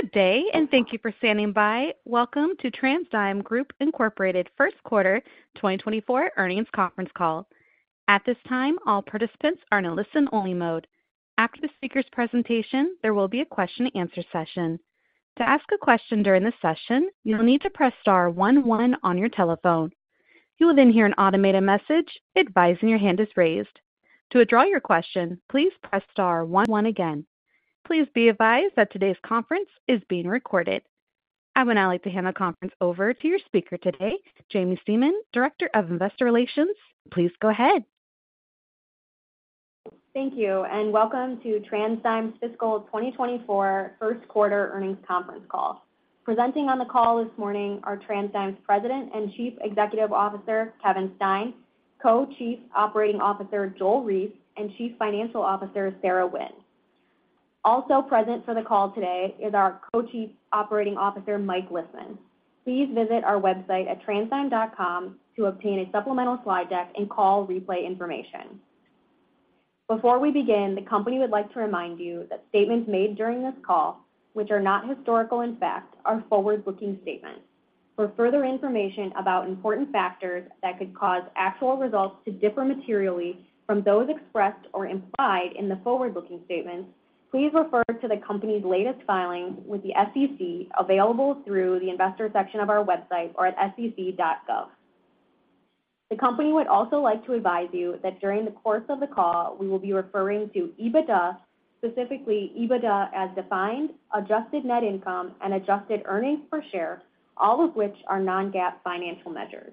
Good day and thank you for standing by. Welcome to TransDigm Group Incorporated first quarter 2024 earnings conference call. At this time, all participants are in a listen-only mode. After the speaker's presentation, there will be a question-and-answer session. To ask a question during this session, you'll need to press *1 1 on your telephone. You will then hear an automated message advising your hand is raised. To withdraw your question, please press * 1 1 again. Please be advised that today's conference is being recorded. I would now like to hand the conference over to your speaker today, Jamie Seaman, Director of Investor Relations. Please go ahead. Thank you, and welcome to TransDigm's fiscal 2024 first quarter earnings conference call. Presenting on the call this morning are TransDigm's President and Chief Executive Officer, Kevin Stein; Co-Chief Operating Officer, Joel Reiss; and Chief Financial Officer, Sarah Wynne. Also present for the call today is our Co-Chief Operating Officer, Mike Lisman. Please visit our website at transdigm.com to obtain a supplemental slide deck and call replay information. Before we begin, the company would like to remind you that statements made during this call, which are not historical in fact, are forward-looking statements. For further information about important factors that could cause actual results to differ materially from those expressed or implied in the forward-looking statements, please refer to the company's latest filings with the SEC, available through the Investors section of our website or at sec.gov. The company would also like to advise you that during the course of the call, we will be referring to EBITDA, specifically EBITDA, as defined, adjusted net income and adjusted earnings per share, all of which are non-GAAP financial measures.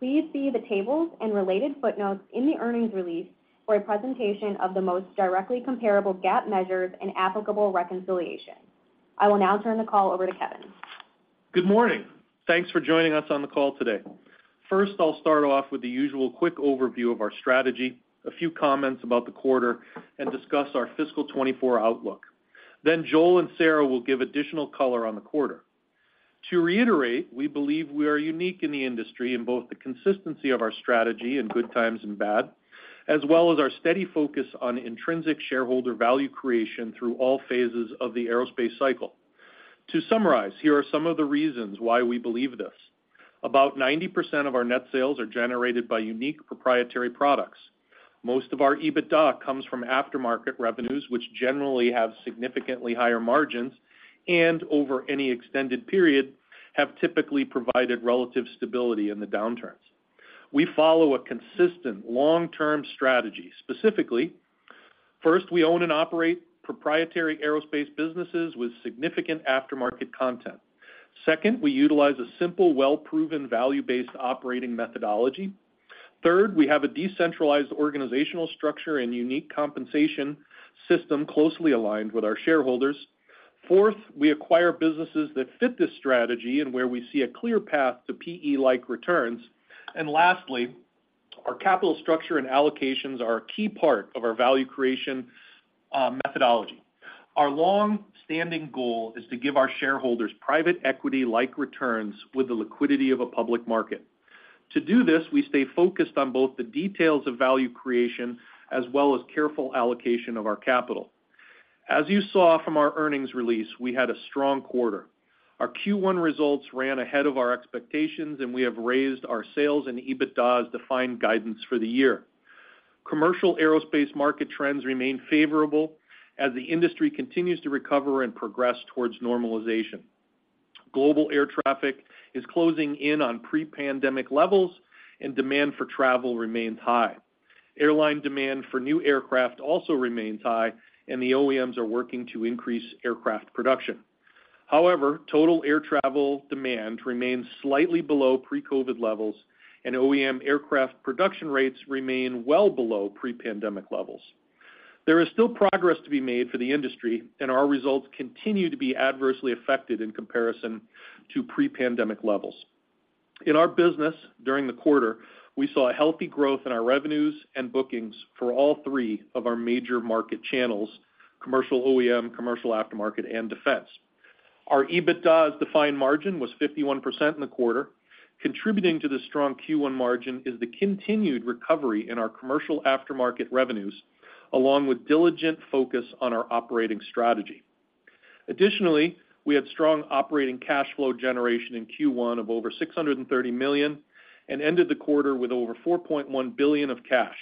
Please see the tables and related footnotes in the earnings release for a presentation of the most directly comparable GAAP measures and applicable reconciliation. I will now turn the call over to Kevin. Good morning. Thanks for joining us on the call today. First, I'll start off with the usual quick overview of our strategy, a few comments about the quarter, and discuss our fiscal 2024 outlook. Then Joel and Sarah will give additional color on the quarter. To reiterate, we believe we are unique in the industry in both the consistency of our strategy in good times and bad, as well as our steady focus on intrinsic shareholder value creation through all phases of the aerospace cycle. To summarize, here are some of the reasons why we believe this. About 90% of our net sales are generated by unique proprietary products. Most of our EBITDA comes from aftermarket revenues, which generally have significantly higher margins and, over any extended period, have typically provided relative stability in the downturns. We follow a consistent long-term strategy. Specifically, first, we own and operate proprietary aerospace businesses with significant aftermarket content. Second, we utilize a simple, well-proven, value-based operating methodology. Third, we have a decentralized organizational structure and unique compensation system closely aligned with our shareholders. Fourth, we acquire businesses that fit this strategy and where we see a clear path to PE-like returns. And lastly, our capital structure and allocations are a key part of our value creation, methodology. Our long-standing goal is to give our shareholders private equity-like returns with the liquidity of a public market. To do this, we stay focused on both the details of value creation as well as careful allocation of our capital. As you saw from our earnings release, we had a strong quarter. Our Q1 results ran ahead of our expectations, and we have raised our sales and EBITDA as defined guidance for the year. Commercial aerospace market trends remain favorable as the industry continues to recover and progress towards normalization. Global air traffic is closing in on pre-pandemic levels, and demand for travel remains high. Airline demand for new aircraft also remains high, and the OEMs are working to increase aircraft production. However, total air travel demand remains slightly below pre-COVID levels, and OEM aircraft production rates remain well below pre-pandemic levels. There is still progressed to be made for the industry, and our results continue to be adversely affected in comparison to pre-pandemic levels. In our business during the quarter, we saw a healthy growth in our revenues and bookings for all three of our major market channels: commercial OEM, commercial aftermarket, and defense. Our EBITDA as defined margin was 51% in the quarter. Contributing to the strong Q1 margin is the continued recovery in our commercial aftermarket revenues, along with diligent focus on our operating strategy. Additionally, we had strong operating cash flow generation in Q1 of over $630 million and ended the quarter with over $4.1 billion of cash.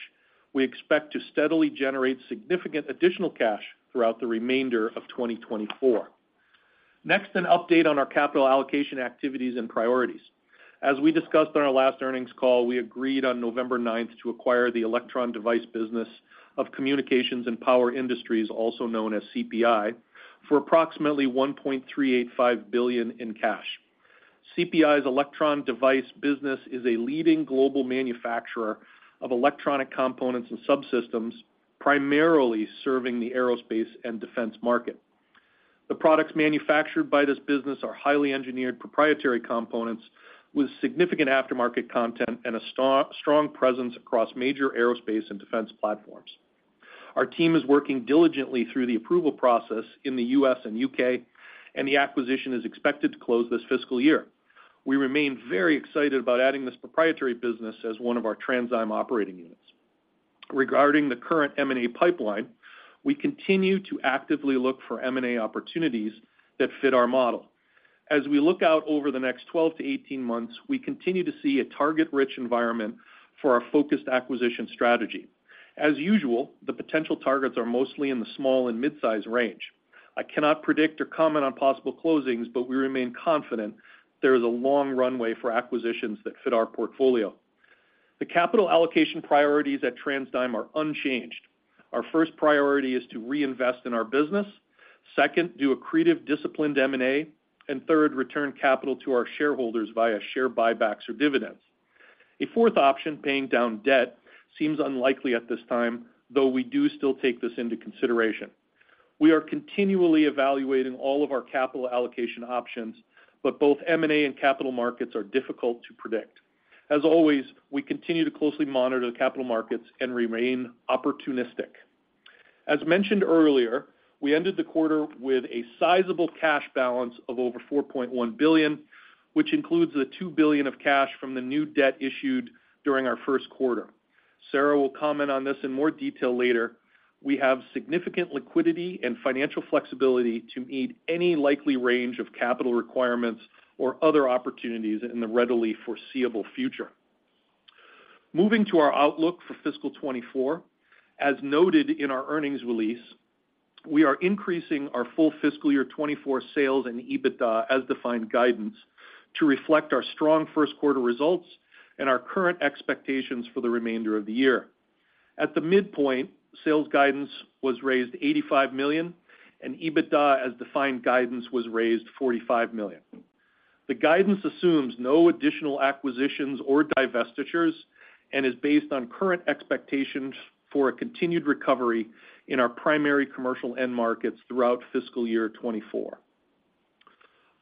We expect to steadily generate significant additional cash throughout the remainder of 2024. Next, an update on our capital allocation activities and priorities. As we discussed on our last earnings call, we agreed on November 9 to acquire the Electron Device business of Communications and Power Industries, also known as CPI, for approximately $1.385 billion in cash. CPI's Electron Device business is a leading global manufacturer of electronic components and subsystems, primarily serving the aerospace and defense market. The products manufactured by this business are highly engineered proprietary components with significant aftermarket content and a strong presence across major aerospace and defense platforms. Our team is working diligently through the approval process in the U.S. and U.K., and the acquisition is expected to close this fiscal year. We remain very excited about adding this proprietary business as one of our TransDigm operating units.... Regarding the current M&A pipeline, we continue to actively look for M&A opportunities that fit our model. As we look out over the next 12-18 months, we continue to see a target-rich environment for our focused acquisition strategy. As usual, the potential targets are mostly in the small and mid-size range. I cannot predict or comment on possible closings, but we remain confident there is a long runway for acquisitions that fit our portfolio. The capital allocation priorities at TransDigm are unchanged. Our first priority is to reinvest in our business. Second, do accretive, disciplined M&A, and third, return capital to our shareholders via share buybacks or dividends. A fourth option, paying down debt, seems unlikely at this time, though we do still take this into consideration. We are continually evaluating all of our capital allocation options, but both M&A and capital markets are difficult to predict. As always, we continue to closely monitor the capital markets and remain opportunistic. As mentioned earlier, we ended the quarter with a sizable cash balance of over $4.1 billion, which includes the $2 billion of cash from the new debt issued during our first quarter. Sarah will comment on this in more detail later. We have significant liquidity and financial flexibility to meet any likely range of capital requirements or other opportunities in the readily foreseeable future. Moving to our outlook for fiscal 2024, as noted in our earnings release, we are increasing our full fiscal year 2024 sales and EBITDA as defined guidance, to reflect our strong first quarter results and our current expectations for the remainder of the year. At the midpoint, sales guidance was raised $85 million, and EBITDA, as defined, guidance was raised $45 million. The guidance assumes no additional acquisitions or divestitures and is based on current expectations for a continued recovery in our primary commercial end markets throughout fiscal year 2024.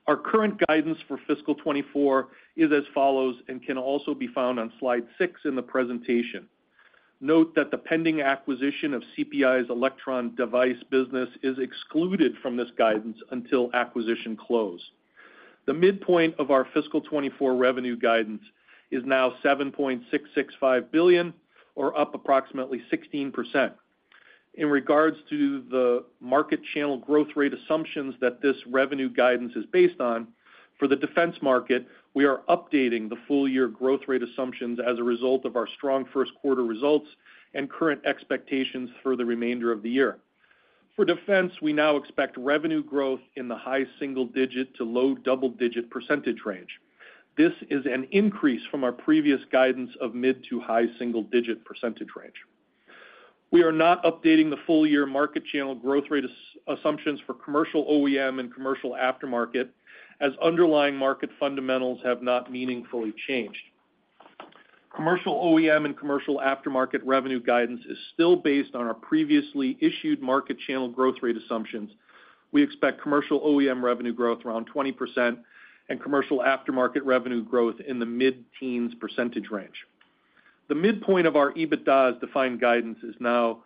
Our current guidance for fiscal 2024 is as follows and can also be found on slide 6 in the presentation. Note that the pending acquisition of CPI's electron device business is excluded from this guidance until acquisition close. The midpoint of our fiscal 2024 revenue guidance is now $7.665 billion, or up approximately 16%. In regards to the market channel growth rate assumptions that this revenue guidance is based on, for the defense market, we are updating the full year growth rate assumptions as a result of our strong first quarter results and current expectations for the remainder of the year. For defense, we now expect revenue growth in the high single-digit to low double-digit % range. This is an increase from our previous guidance of mid- to high single-digit % range. We are not updating the full year market channel growth rate assumptions for commercial OEM and commercial aftermarket, as underlying market fundamentals have not meaningfully changed. Commercial OEM and commercial aftermarket revenue guidance is still based on our previously issued market channel growth rate assumptions. We expect commercial OEM revenue growth around 20% and commercial aftermarket revenue growth in the mid-teens % range. The midpoint of our EBITDA as defined guidance is now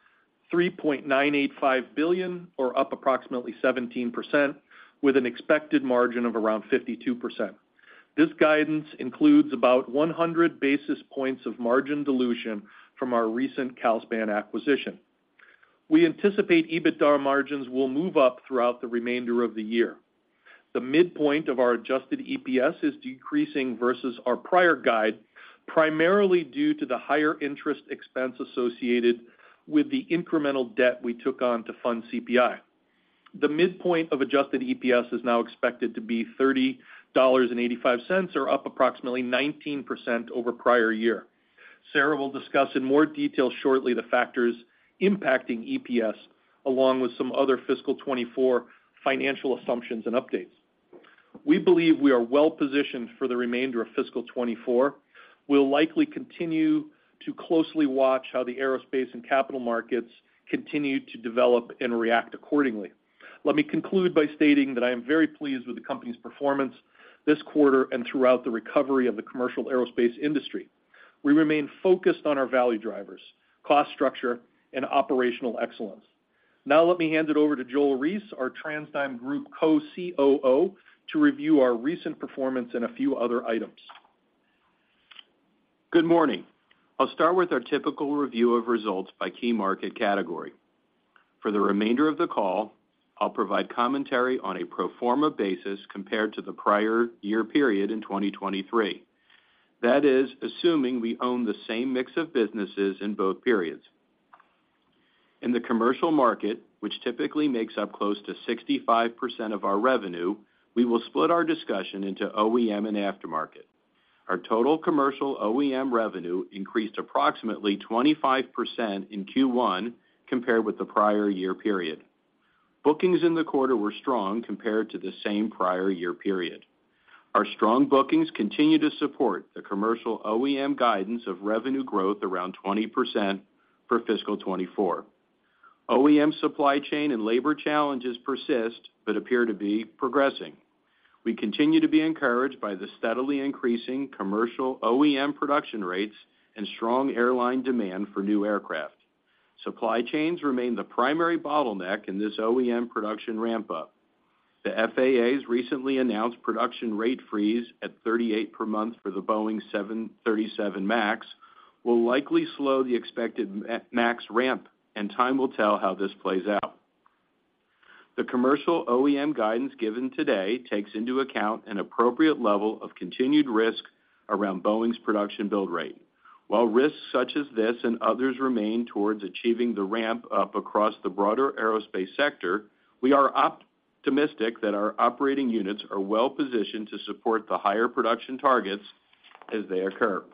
$3.985 billion, or up approximately 17%, with an expected margin of around 52%. This guidance includes about 100 basis points of margin dilution from our recent Calspan acquisition. We anticipate EBITDA margins will move up throughout the remainder of the year. The midpoint of our adjusted EPS is decreasing versus our prior guide, primarily due to the higher interest expense associated with the incremental debt we took on to fund CPI. The midpoint of adjusted EPS is now expected to be $30.85, or up approximately 19% over prior year. Sarah will discuss in more detail shortly the factors impacting EPS, along with some other fiscal 2024 financial assumptions and updates. We believe we are well positioned for the remainder of fiscal 2024. We'll likely continue to closely watch how the aerospace and capital markets continue to develop and react accordingly. Let me conclude by stating that I am very pleased with the company's performance this quarter and throughout the recovery of the commercial aerospace industry. We remain focused on our value drivers, cost structure, and operational excellence. Now let me hand it over to Joel Reiss, our TransDigm Group Co-COO, to review our recent performance and a few other items. Good morning. I'll start with our typical review of results by key market category. For the remainder of the call, I'll provide commentary on a pro forma basis compared to the prior year period in 2023. That is, assuming we own the same mix of businesses in both periods. In the commercial market, which typically makes up close to 65% of our revenue, we will split our discussion into OEM and aftermarket. Our total commercial OEM revenue increased approximately 25% in Q1 compared with the prior year period. Bookings in the quarter were strong compared to the same prior year period. Our strong bookings continue to support the commercial OEM guidance of revenue growth around 20% for fiscal 2024. OEM supply chain and labor challenges persist, but appear to be progressing. We continue to be encouraged by the steadily increasing commercial OEM production rates and strong airline demand for new aircraft. Supply chains remain the primary bottleneck in this OEM production ramp-up. The FAA's recently announced production rate freeze at 38 per month for the Boeing 737 MAX will likely slow the expected 737 MAX ramp, and time will tell how this plays out. The commercial OEM guidance given today takes into account an appropriate level of continued risk around Boeing's production build rate. While risks such as this and others remain toward achieving the ramp up across the broader aerospace sector, we are optimistic that our operating units are well-positioned to support the higher production targets as they occur.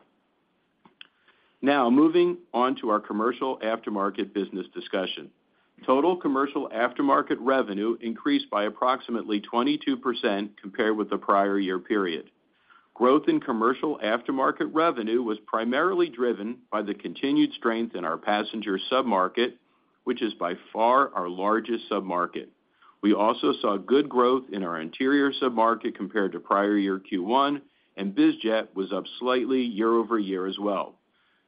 Now, moving on to our commercial aftermarket business discussion. Total commercial aftermarket revenue increased by approximately 22% compared with the prior year period. Growth in commercial aftermarket revenue was primarily driven by the continued strength in our passenger submarket, which is by far our largest submarket. We also saw good growth in our interior submarket compared to prior year Q1, and biz jet was up slightly year-over-year as well.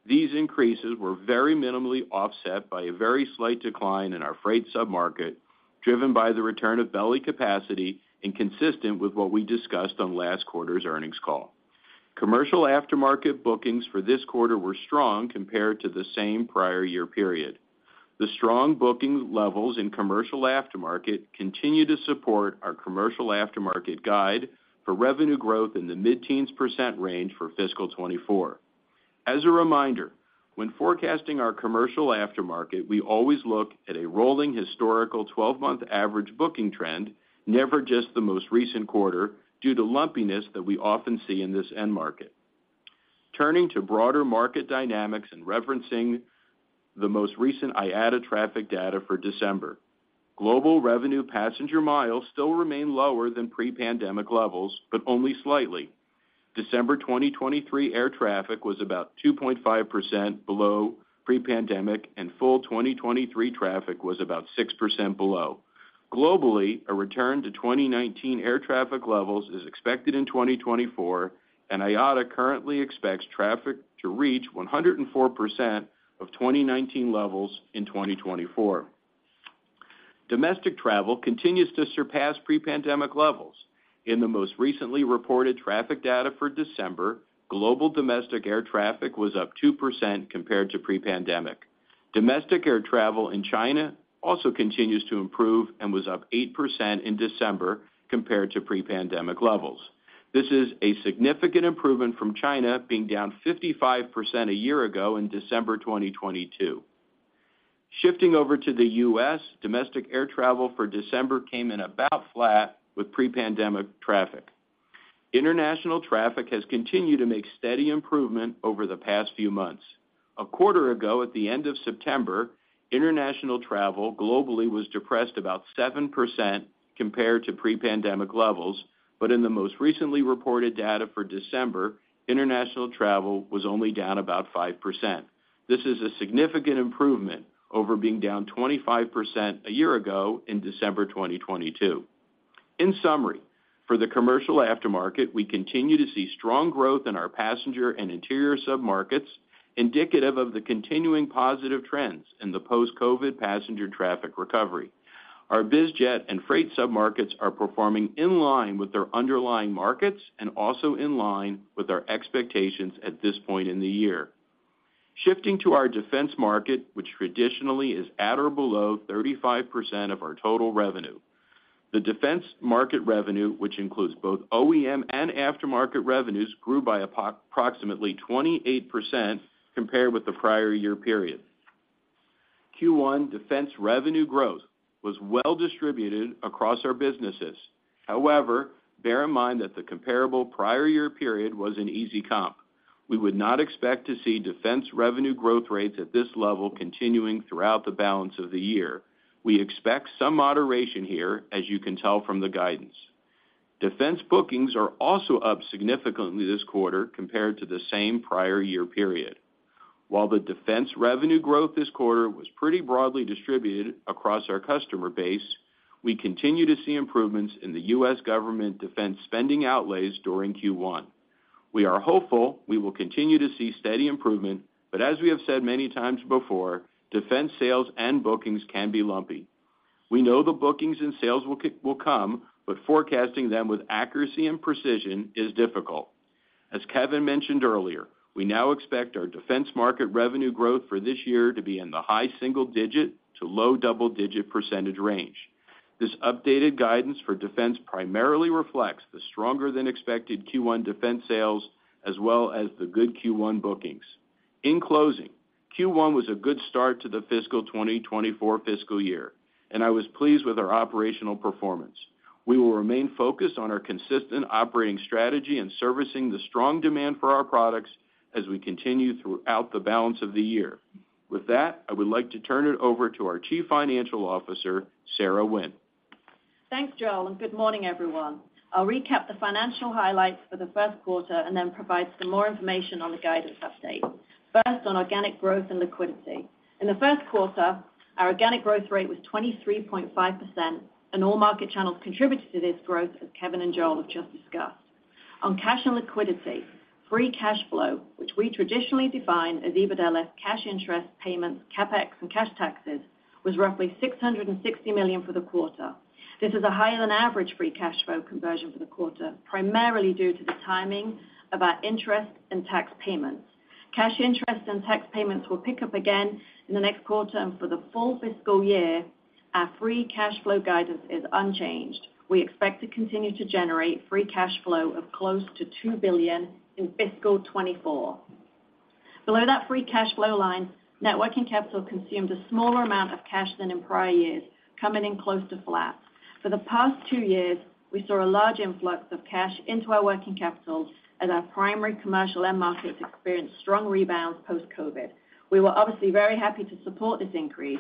These increases were very minimally offset by a very slight decline in our freight submarket, driven by the return of belly capacity and consistent with what we discussed on last quarter's earnings call. Commercial aftermarket bookings for this quarter were strong compared to the same prior year period. The strong booking levels in commercial aftermarket continue to support our commercial aftermarket guide for revenue growth in the mid-teens% range for fiscal 2024. As a reminder, when forecasting our commercial aftermarket, we always look at a rolling historical 12-month average booking trend, never just the most recent quarter, due to lumpiness that we often see in this end market. Turning to broader market dynamics and referencing the most recent IATA traffic data for December, global revenue passenger miles still remain lower than pre-pandemic levels, but only slightly. December 2023 air traffic was about 2.5% below pre-pandemic, and full 2023 traffic was about 6% below. Globally, a return to 2019 air traffic levels is expected in 2024, and IATA currently expects traffic to reach 104% of 2019 levels in 2024. Domestic travel continues to surpass pre-pandemic levels. In the most recently reported traffic data for December, global domestic air traffic was up 2% compared to pre-pandemic. Domestic air travel in China also continues to improve and was up 8% in December compared to pre-pandemic levels. This is a significant improvement from China being down 55% a year ago in December 2022. Shifting over to the U.S., domestic air travel for December came in about flat with pre-pandemic traffic. International traffic has continued to make steady improvement over the past few months. A quarter ago, at the end of September, international travel globally was depressed about 7% compared to pre-pandemic levels, but in the most recently reported data for December, international travel was only down about 5%. This is a significant improvement over being down 25% a year ago in December 2022. In summary, for the commercial aftermarket, we continue to see strong growth in our passenger and interior submarkets, indicative of the continuing positive trends in the post-COVID passenger traffic recovery. Our biz jet and freight submarkets are performing in line with their underlying markets and also in line with our expectations at this point in the year. Shifting to our defense market, which traditionally is at or below 35% of our total revenue. The defense market revenue, which includes both OEM and aftermarket revenues, grew by approximately 28% compared with the prior year period. Q1 defense revenue growth was well distributed across our businesses. However, bear in mind that the comparable prior year period was an easy comp. We would not expect to see defense revenue growth rates at this level continuing throughout the balance of the year. We expect some moderation here, as you can tell from the guidance. Defense bookings are also up significantly this quarter compared to the same prior year period. While the defense revenue growth this quarter was pretty broadly distributed across our customer base, we continue to see improvements in the U.S. government defense spending outlays during Q1. We are hopeful we will continue to see steady improvement, but as we have said many times before, defense sales and bookings can be lumpy. We know the bookings and sales will come, but forecasting them with accuracy and precision is difficult. As Kevin mentioned earlier, we now expect our defense market revenue growth for this year to be in the high single digit to low double-digit percentage range. This updated guidance for defense primarily reflects the stronger than expected Q1 defense sales, as well as the good Q1 bookings. In closing, Q1 was a good start to the fiscal 2024 fiscal year, and I was pleased with our operational performance. We will remain focused on our consistent operating strategy and servicing the strong demand for our products as we continue throughout the balance of the year. With that, I would like to turn it over to our Chief Financial Officer, Sarah Wynne. Thanks, Joel, and good morning, everyone. I'll recap the financial highlights for the first quarter and then provide some more information on the guidance update. First, on organic growth and liquidity. In the first quarter, our organic growth rate was 23.5%, and all market channels contributed to this growth, as Kevin and Joel have just discussed. On cash and liquidity, free cash flow, which we traditionally define as EBITDA less cash interest payments, CapEx, and cash taxes, was roughly $660 million for the quarter. This is a higher than average free cash flow conversion for the quarter, primarily due to the timing of our interest and tax payments. Cash interest and tax payments will pick up again in the next quarter, and for the full fiscal year, our free cash flow guidance is unchanged. We expect to continue to generate free cash flow of close to $2 billion in fiscal 2024. Below that free cash flow line, net working capital consumed a smaller amount of cash than in prior years, coming in close to flat. For the past two years, we saw a large influx of cash into our working capital as our primary commercial end markets experienced strong rebounds post-COVID. We were obviously very happy to support this increase.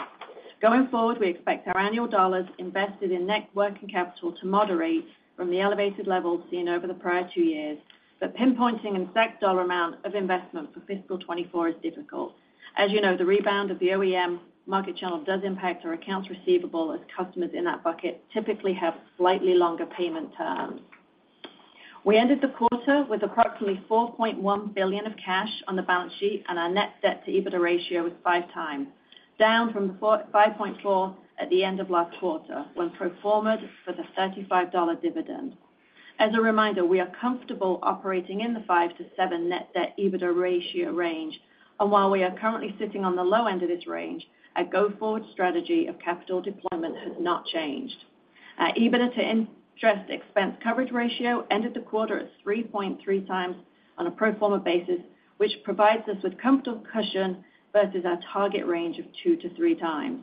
Going forward, we expect our annual dollars invested in net working capital to moderate from the elevated levels seen over the prior two years, but pinpointing an exact dollar amount of investment for fiscal 2024 is difficult. As you know, the rebound of the OEM market channel does impact our accounts receivable, as customers in that bucket typically have slightly longer payment terms. We ended the quarter with approximately $4.1 billion of cash on the balance sheet, and our net debt to EBITDA ratio was 5x, down from 5.4 at the end of last quarter, when pro forma for the $35 dividend. As a reminder, we are comfortable operating in the 5-7 net debt to EBITDA ratio range, and while we are currently sitting on the low end of this range, our go-forward strategy of capital deployment has not changed. Our EBITDA to interest expense coverage ratio ended the quarter at 3.3x on a pro forma basis, which provides us with comfortable cushion versus our target range of 2-3x.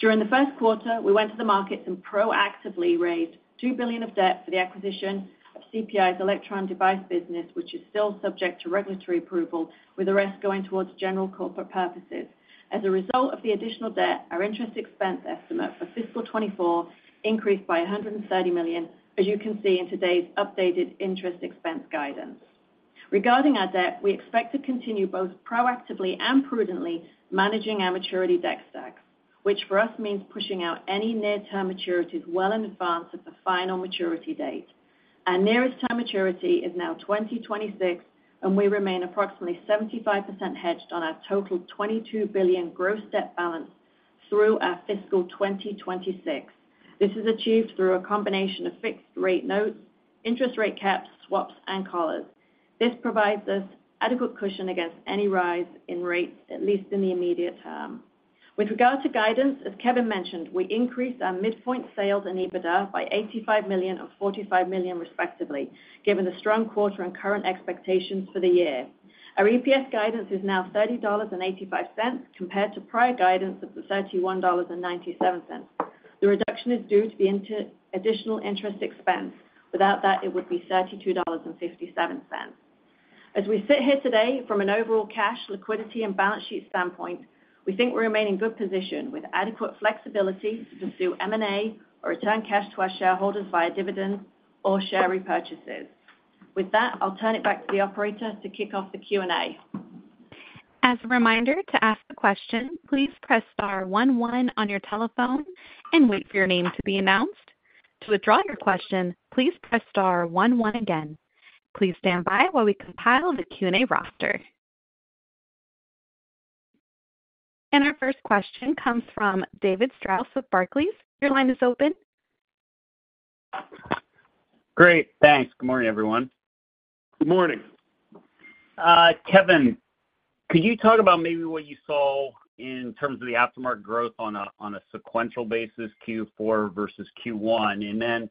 During the first quarter, we went to the market and proactively raised $2 billion of debt for the acquisition of CPI's electron device business, which is still subject to regulatory approval, with the rest going towards general corporate purposes. As a result of the additional debt, our interest expense estimate for fiscal 2024 increased by $130 million, as you can see in today's updated interest expense guidance. Regarding our debt, we expect to continue both proactively and prudently managing our maturity debt stack, which for us means pushing out any near-term maturities well in advance of the final maturity date. Our nearest term maturity is now 2026, and we remain approximately 75% hedged on our total $22 billion gross debt balance through our fiscal 2026. This is achieved through a combination of fixed rate notes, interest rate caps, swaps, and collars. This provides us adequate cushion against any rise in rates, at least in the immediate term. With regard to guidance, as Kevin mentioned, we increased our midpoint sales and EBITDA by $85 million and $45 million, respectively, given the strong quarter and current expectations for the year. Our EPS guidance is now $30.85, compared to prior guidance of $31.97. The reduction is due to the additional interest expense. Without that, it would be $32.57. As we sit here today, from an overall cash, liquidity, and balance sheet standpoint, we think we remain in good position, with adequate flexibility to pursue M&A or return cash to our shareholders via dividends or share repurchases. With that, I'll turn it back to the operator to kick off the Q&A. As a reminder, to ask a question, please press star one one on your telephone and wait for your name to be announced. To withdraw your question, please press star one one again. Please stand by while we compile the Q&A roster. Our first question comes from David Strauss with Barclays. Your line is open. Great, thanks. Good morning, everyone. Good morning. Kevin, could you talk about maybe what you saw in terms of the aftermarket growth on a, on a sequential basis, Q4 versus Q1? And then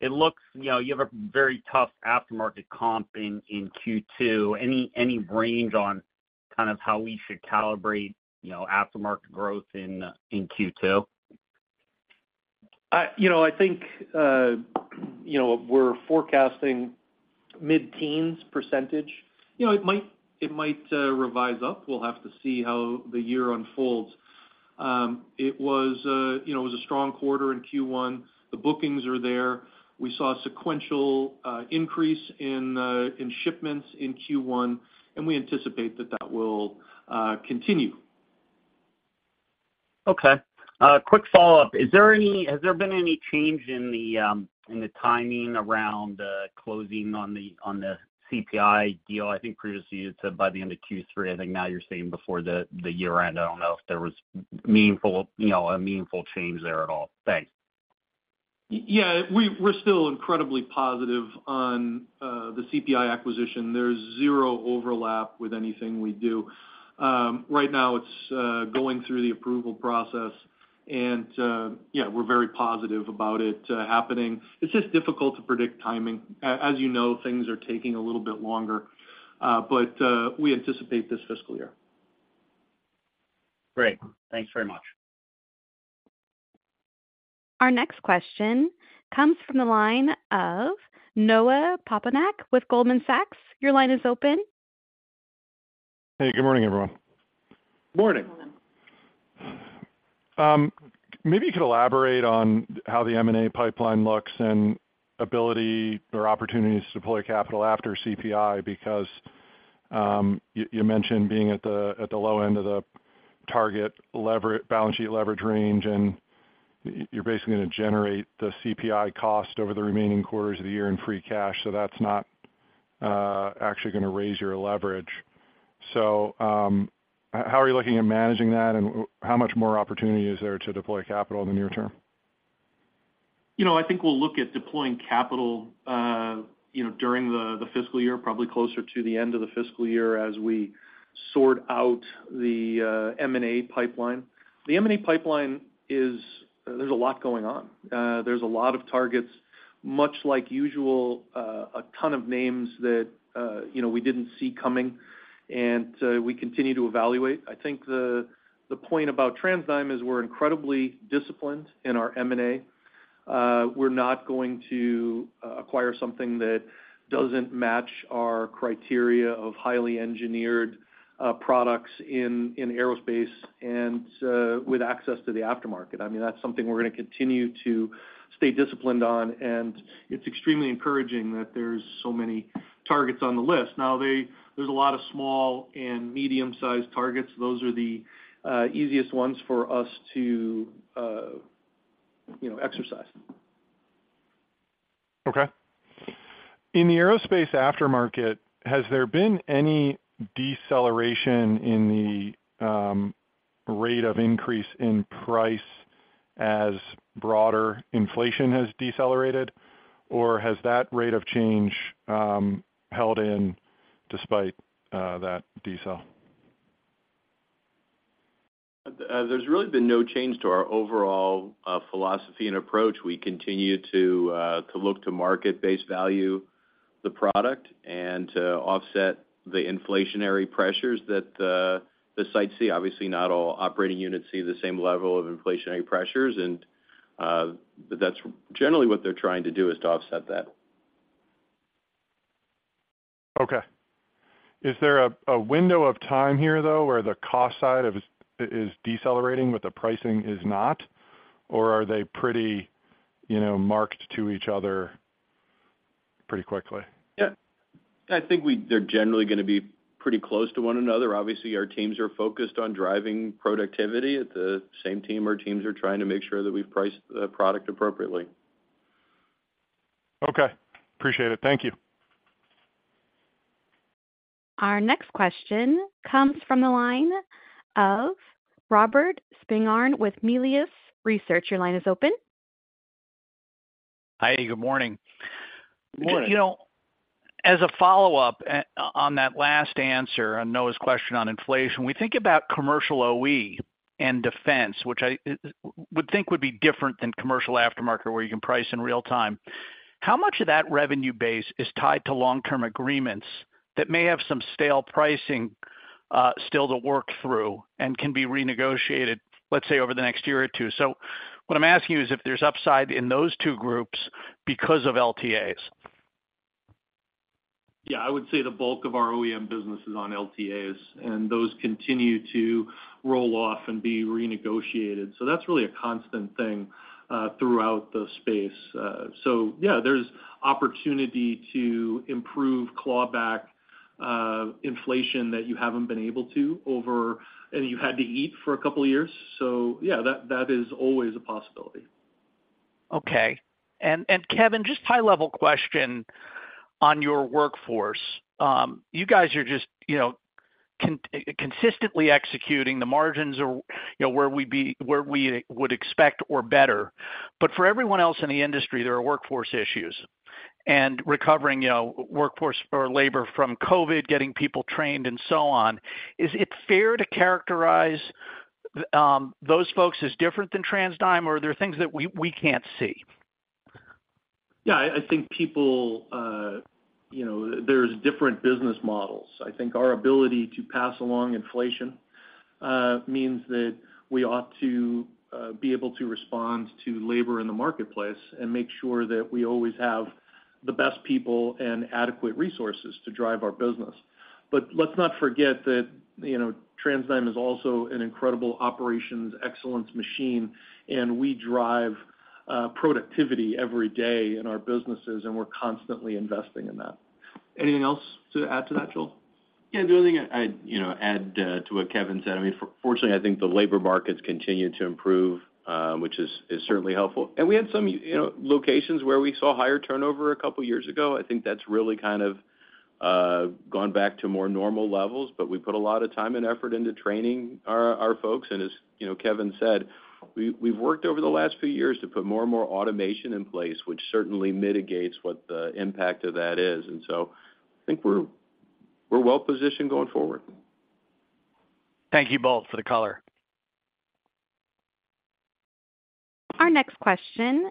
it looks, you know, you have a very tough aftermarket comp in, in Q2. Any, any range on kind of how we should calibrate, you know, aftermarket growth in, in Q2? You know, I think, you know, we're forecasting mid-teens%. You know, it might, it might, revise up. We'll have to see how the year unfolds. It was, you know, it was a strong quarter in Q1. The bookings are there. We saw a sequential, increase in, in shipments in Q1, and we anticipate that that will, continue. Okay. Quick follow-up. Is there any—Has there been any change in the timing around closing on the CPI deal? I think previously you said by the end of Q3. I think now you're saying before the year end. I don't know if there was meaningful, you know, a meaningful change there at all. Thanks. Yeah, we're still incredibly positive on the CPI acquisition. There's zero overlap with anything we do. Right now, it's going through the approval process, and yeah, we're very positive about it happening. It's just difficult to predict timing. As you know, things are taking a little bit longer, but we anticipate this fiscal year. Great. Thanks very much. Our next question comes from the line of Noah Poponak with Goldman Sachs. Your line is open. Hey, good morning, everyone. Morning. Maybe you could elaborate on how the M&A pipeline looks and ability or opportunities to deploy capital after CPI, because you mentioned being at the low end of the target leverage balance sheet leverage range, and you're basically going to generate the CPI cost over the remaining quarters of the year in free cash, so that's not actually going to raise your leverage. So, how are you looking at managing that, and how much more opportunity is there to deploy capital in the near term? You know, I think we'll look at deploying capital, you know, during the fiscal year, probably closer to the end of the fiscal year as we sort out the M&A pipeline. The M&A pipeline is, there's a lot going on. There's a lot of targets, much like usual, a ton of names that, you know, we didn't see coming, and we continue to evaluate. I think the point about TransDigm is we're incredibly disciplined in our M&A. We're not going to acquire something that doesn't match our criteria of highly engineered products in aerospace and with access to the aftermarket. I mean, that's something we're going to continue to stay disciplined on, and it's extremely encouraging that there's so many targets on the list. Now, there's a lot of small and medium-sized targets. Those are the easiest ones for us to, you know, exercise. Okay. In the aerospace aftermarket, has there been any deceleration in the rate of increase in price as broader inflation has decelerated, or has that rate of change held in despite that decel? There's really been no change to our overall philosophy and approach. We continue to look to market-based value the product and to offset the inflationary pressures that the sites see. Obviously, not all operating units see the same level of inflationary pressures, and but that's generally what they're trying to do, is to offset that. Okay. Is there a window of time here, though, where the cost side of is decelerating, but the pricing is not, or are they pretty, you know, marked to each other pretty quickly? Yeah. I think we're—they're generally going to be pretty close to one another. Obviously, our teams are focused on driving productivity. At the same time, our teams are trying to make sure that we've priced the product appropriately. Okay. Appreciate it. Thank you. Our next question comes from the line of Robert Spingarn with Melius Research. Your line is open. Hi, good morning. Good morning. You know, as a follow-up on that last answer, on Noah's question on inflation, we think about commercial OE and defense, which I would think would be different than commercial aftermarket, where you can price in real time. How much of that revenue base is tied to long-term agreements that may have some stale pricing, still to work through and can be renegotiated, let's say, over the next year or two? So what I'm asking you is if there's upside in those two groups because of LTAs. Yeah, I would say the bulk of our OEM business is on LTAs, and those continue to roll off and be renegotiated. So that's really a constant thing, throughout the space. So yeah, there's opportunity to improve, claw back, inflation that you haven't been able to over, and you've had to eat for a couple of years. So yeah, that is always a possibility. Okay. And Kevin, just high-level question on your workforce. You guys are just, you know, consistently executing the margins are, you know, where we would expect or better. But for everyone else in the industry, there are workforce issues and recovering, you know, workforce or labor from COVID, getting people trained and so on. Is it fair to characterize those folks as different than TransDigm, or are there things that we, we can't see? Yeah, I think people, you know, there's different business models. I think our ability to pass along inflation means that we ought to be able to respond to labor in the marketplace and make sure that we always have the best people and adequate resources to drive our business. But let's not forget that, you know, TransDigm is also an incredible operations excellence machine, and we drive productivity every day in our businesses, and we're constantly investing in that. Anything else to add to that, Joel? Yeah, the only thing I'd, you know, add to what Kevin said, I mean, fortunately, I think the labor markets continue to improve, which is certainly helpful. And we had some, you know, locations where we saw higher turnover a couple of years ago. I think that's really kind of gone back to more normal levels, but we put a lot of time and effort into training our folks. And as you know, Kevin said, we've worked over the last few years to put more and more automation in place, which certainly mitigates what the impact of that is. And so I think we're well positioned going forward. Thank you both for the color. Our next question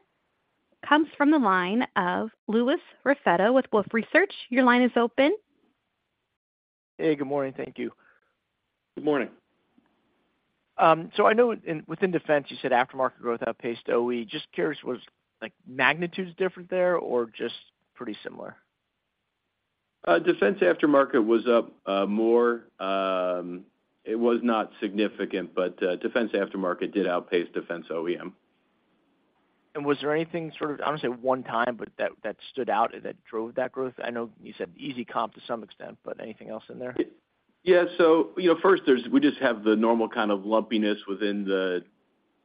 comes from the line of Louis Raffetto with Wolfe Research. Your line is open. Hey, good morning. Thank you. Good morning. So I know within defense, you said aftermarket growth outpaced OE. Just curious, was, like, magnitudes different there or just pretty similar? Defense aftermarket was up more. It was not significant, but defense aftermarket did outpace defense OEM. ... was there anything sort of, I don't want to say one time, but that, that stood out that drove that growth? I know you said easy comp to some extent, but anything else in there? Yeah. So, you know, first, we just have the normal kind of lumpiness within the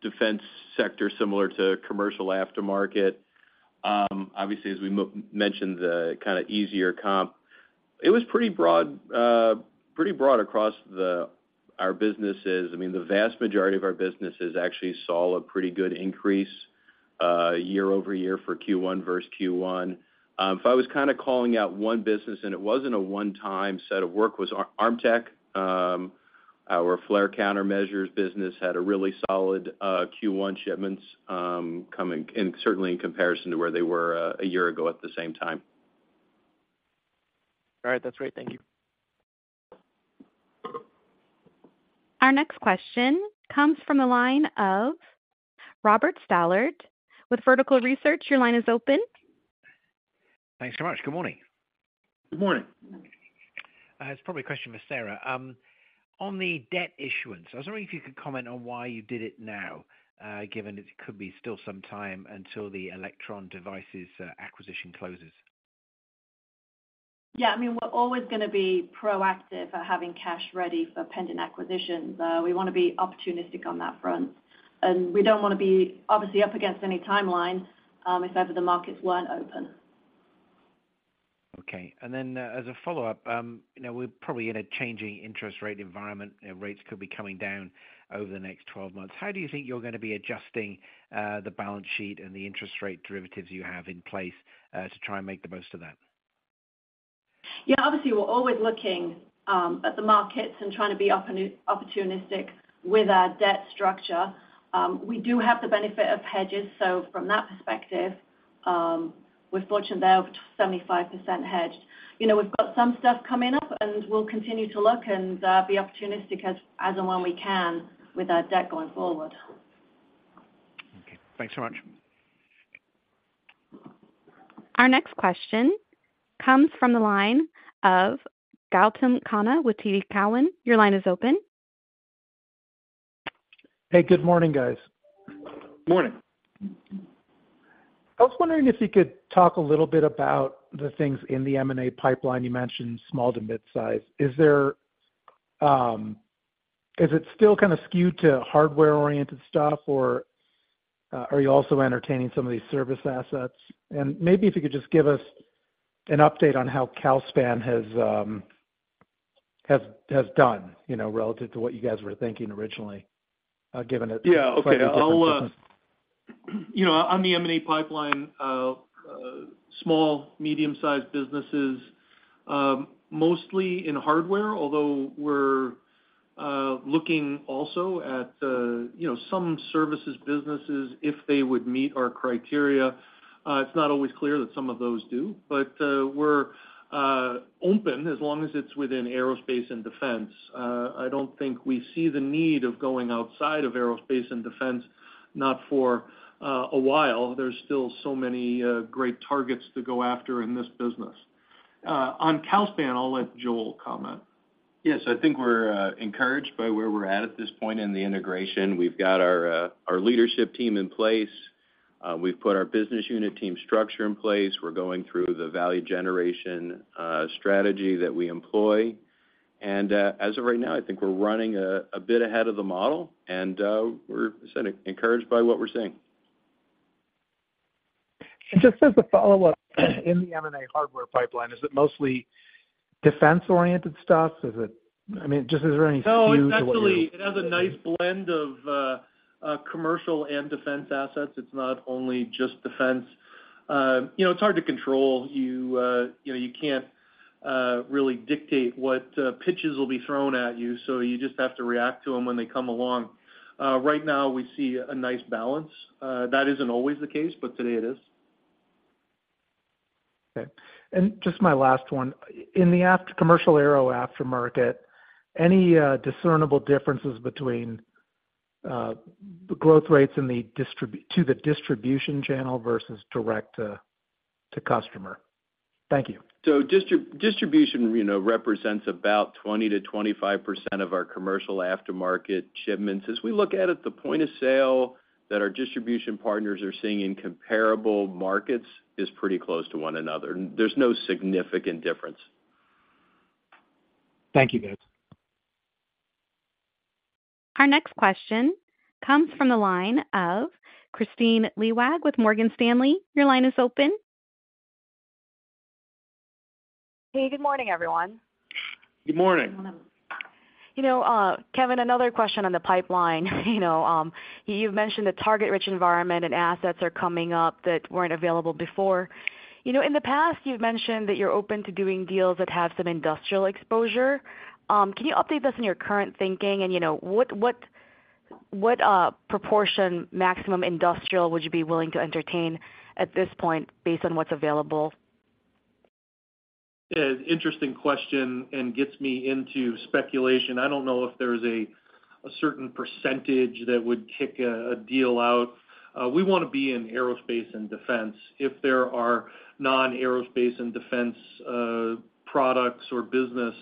defense sector, similar to commercial aftermarket. Obviously, as we mentioned, the kind of easier comp. It was pretty broad, pretty broad across our businesses. I mean, the vast majority of our businesses actually saw a pretty good increase year-over-year for Q1 versus Q1. If I was kind of calling out one business, and it wasn't a one-time set of work, was Armtec. Our flare countermeasures business had a really solid Q1 shipments coming, and certainly in comparison to where they were a year ago at the same time. All right, that's great. Thank you. Our next question comes from the line of Robert Stallard with Vertical Research. Your line is open. Thanks so much. Good morning. Good morning. It's probably a question for Sarah. On the debt issuance, I was wondering if you could comment on why you did it now, given it could be still some time until the Electron Devices acquisition closes. Yeah, I mean, we're always gonna be proactive at having cash ready for pending acquisitions. We want to be opportunistic on that front, and we don't want to be, obviously, up against any timelines, if ever the markets weren't open. Okay. And then, as a follow-up, you know, we're probably in a changing interest rate environment, and rates could be coming down over the next 12 months. How do you think you're gonna be adjusting the balance sheet and the interest rate derivatives you have in place to try and make the most of that? Yeah, obviously, we're always looking at the markets and trying to be opportunistic with our debt structure. We do have the benefit of hedges, so from that perspective, we're fortunate there, over 75% hedged. You know, we've got some stuff coming up, and we'll continue to look and be opportunistic as and when we can with our debt going forward. Okay, thanks so much. Our next question comes from the line of Gautam Khanna with TD Cowen. Your line is open. Hey, good morning, guys. Morning. I was wondering if you could talk a little bit about the things in the M&A pipeline. You mentioned small to mid-size. Is there, is it still kind of skewed to hardware-oriented stuff, or, are you also entertaining some of these service assets? And maybe if you could just give us an update on how Calspan has done, you know, relative to what you guys were thinking originally, given it- Yeah. Okay. I'll, you know, on the M&A pipeline, small, medium-sized businesses, mostly in hardware, although we're looking also at, you know, some services businesses, if they would meet our criteria. It's not always clear that some of those do, but, we're open as long as it's within aerospace and defense. I don't think we see the need of going outside of aerospace and defense, not for a while. There's still so many great targets to go after in this business. On Calspan, I'll let Joel comment. Yes, I think we're encouraged by where we're at at this point in the integration. We've got our, our leadership team in place. We've put our business unit team structure in place. We're going through the value generation strategy that we employ. And, as of right now, I think we're running a bit ahead of the model, and, we're encouraged by what we're seeing. Just as a follow-up, in the M&A hardware pipeline, is it mostly defense-oriented stuff? Is it... I mean, just is there any skew to what you're- No, it's actually, it has a nice blend of commercial and defense assets. It's not only just defense. You know, it's hard to control. You know, you can't really dictate what pitches will be thrown at you, so you just have to react to them when they come along. Right now, we see a nice balance. That isn't always the case, but today it is. Okay. Just my last one: in the after commercial aero aftermarket, any discernible differences between the growth rates in the distribution channel versus direct to customer? Thank you. Distribution, you know, represents about 20%-25% of our commercial aftermarket shipments. As we look at it, the point of sale that our distribution partners are seeing in comparable markets is pretty close to one another. There's no significant difference. Thank you, guys. Our next question comes from the line of Kristine Liwag with Morgan Stanley. Your line is open. Hey, good morning, everyone. Good morning. Good morning. You know, Kevin, another question on the pipeline. You know, you've mentioned the target-rich environment and assets are coming up that weren't available before. You know, in the past, you've mentioned that you're open to doing deals that have some industrial exposure. Can you update us on your current thinking, and you know, what proportion maximum industrial would you be willing to entertain at this point based on what's available? Interesting question, and gets me into speculation. I don't know if there's a certain percentage that would kick a deal out. We want to be in aerospace and defense. If there are non-aerospace and defense products or business,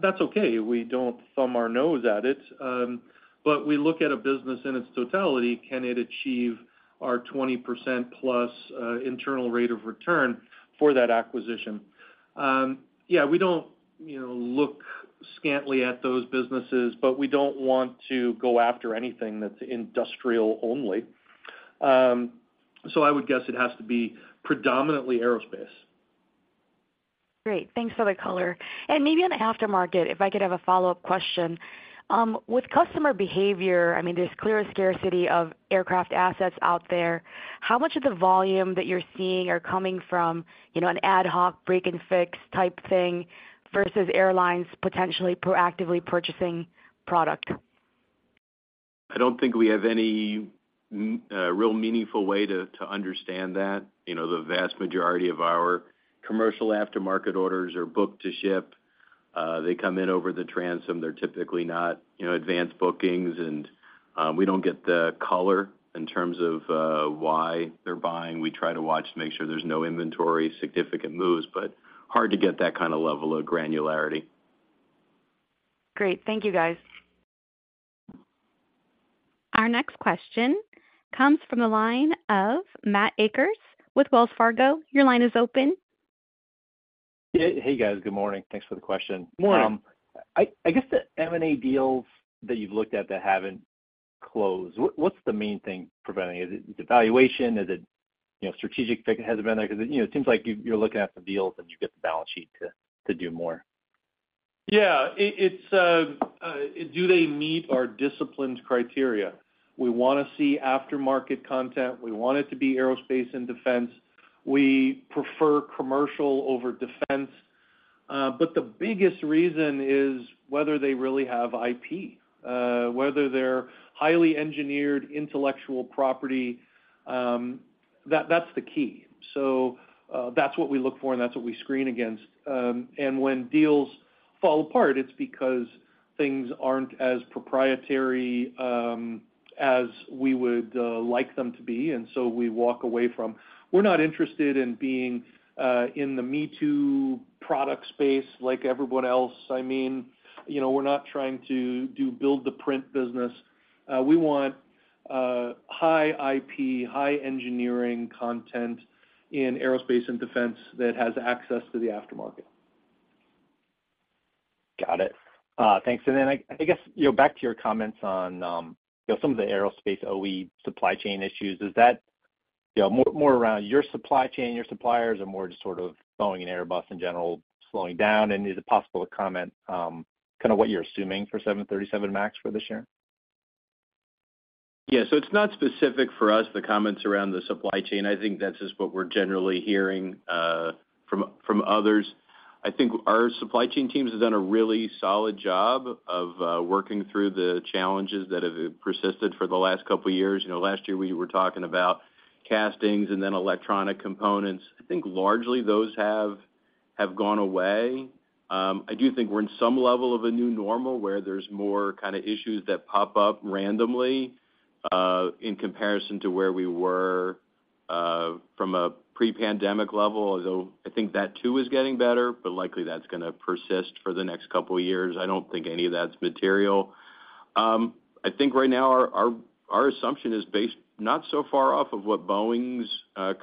that's okay. We don't thumb our nose at it, but we look at a business in its totality, can it achieve our 20% plus internal rate of return for that acquisition? Yeah, we don't, you know, look scantly at those businesses, but we don't want to go after anything that's industrial only. So I would guess it has to be predominantly aerospace. Great. Thanks for the color. And maybe on the aftermarket, if I could have a follow-up question. With customer behavior, I mean, there's clear scarcity of aircraft assets out there. How much of the volume that you're seeing are coming from, you know, an ad hoc, break and fix type thing, versus airlines potentially proactively purchasing product? I don't think we have any real meaningful way to understand that. You know, the vast majority of our commercial aftermarket orders are booked to ship. They come in over the transom. They're typically not, you know, advanced bookings, and we don't get the color in terms of why they're buying. We try to watch to make sure there's no inventory, significant moves, but hard to get that kind of level of granularity. Great. Thank you, guys. Our next question comes from the line of Matt Akers with Wells Fargo. Your line is open. Hey, guys. Good morning. Thanks for the question. Good morning. I guess the M&A deals that you've looked at that haven't closed, what's the main thing preventing it? Is it the valuation? Is it, you know, strategic fit hasn't been there? Because, you know, it seems like you're looking at the deals, and you get the balance sheet to do more. Yeah, it's. Do they meet our disciplined criteria? We want to see aftermarket content. We want it to be aerospace and defense. We prefer commercial over defense. But the biggest reason is whether they really have IP, whether they're highly engineered intellectual property, that's the key. So, that's what we look for, and that's what we screen against. And when deals fall apart, it's because things aren't as proprietary as we would like them to be, and so we walk away from. We're not interested in being in the me-too product space like everyone else. I mean, you know, we're not trying to do build-to-print business. We want high IP, high engineering content in aerospace and defense that has access to the aftermarket. Got it. Thanks. And then, I guess, you know, back to your comments on, you know, some of the aerospace OE supply chain issues, is that, you know, more, more around your supply chain, your suppliers, or more just sort of Boeing and Airbus in general slowing down? And is it possible to comment, kind of what you're assuming for 737 MAX for this year? Yeah, so it's not specific for us, the comments around the supply chain. I think that's just what we're generally hearing from others. I think our supply chain teams have done a really solid job of working through the challenges that have persisted for the last couple of years. You know, last year we were talking about castings and then electronic components. I think largely those have gone away. I do think we're in some level of a new normal, where there's more kind of issues that pop up randomly in comparison to where we were from a pre-pandemic level, although I think that, too, is getting better, but likely that's gonna persist for the next couple of years. I don't think any of that's material. I think right now our assumption is based not so far off of what Boeing's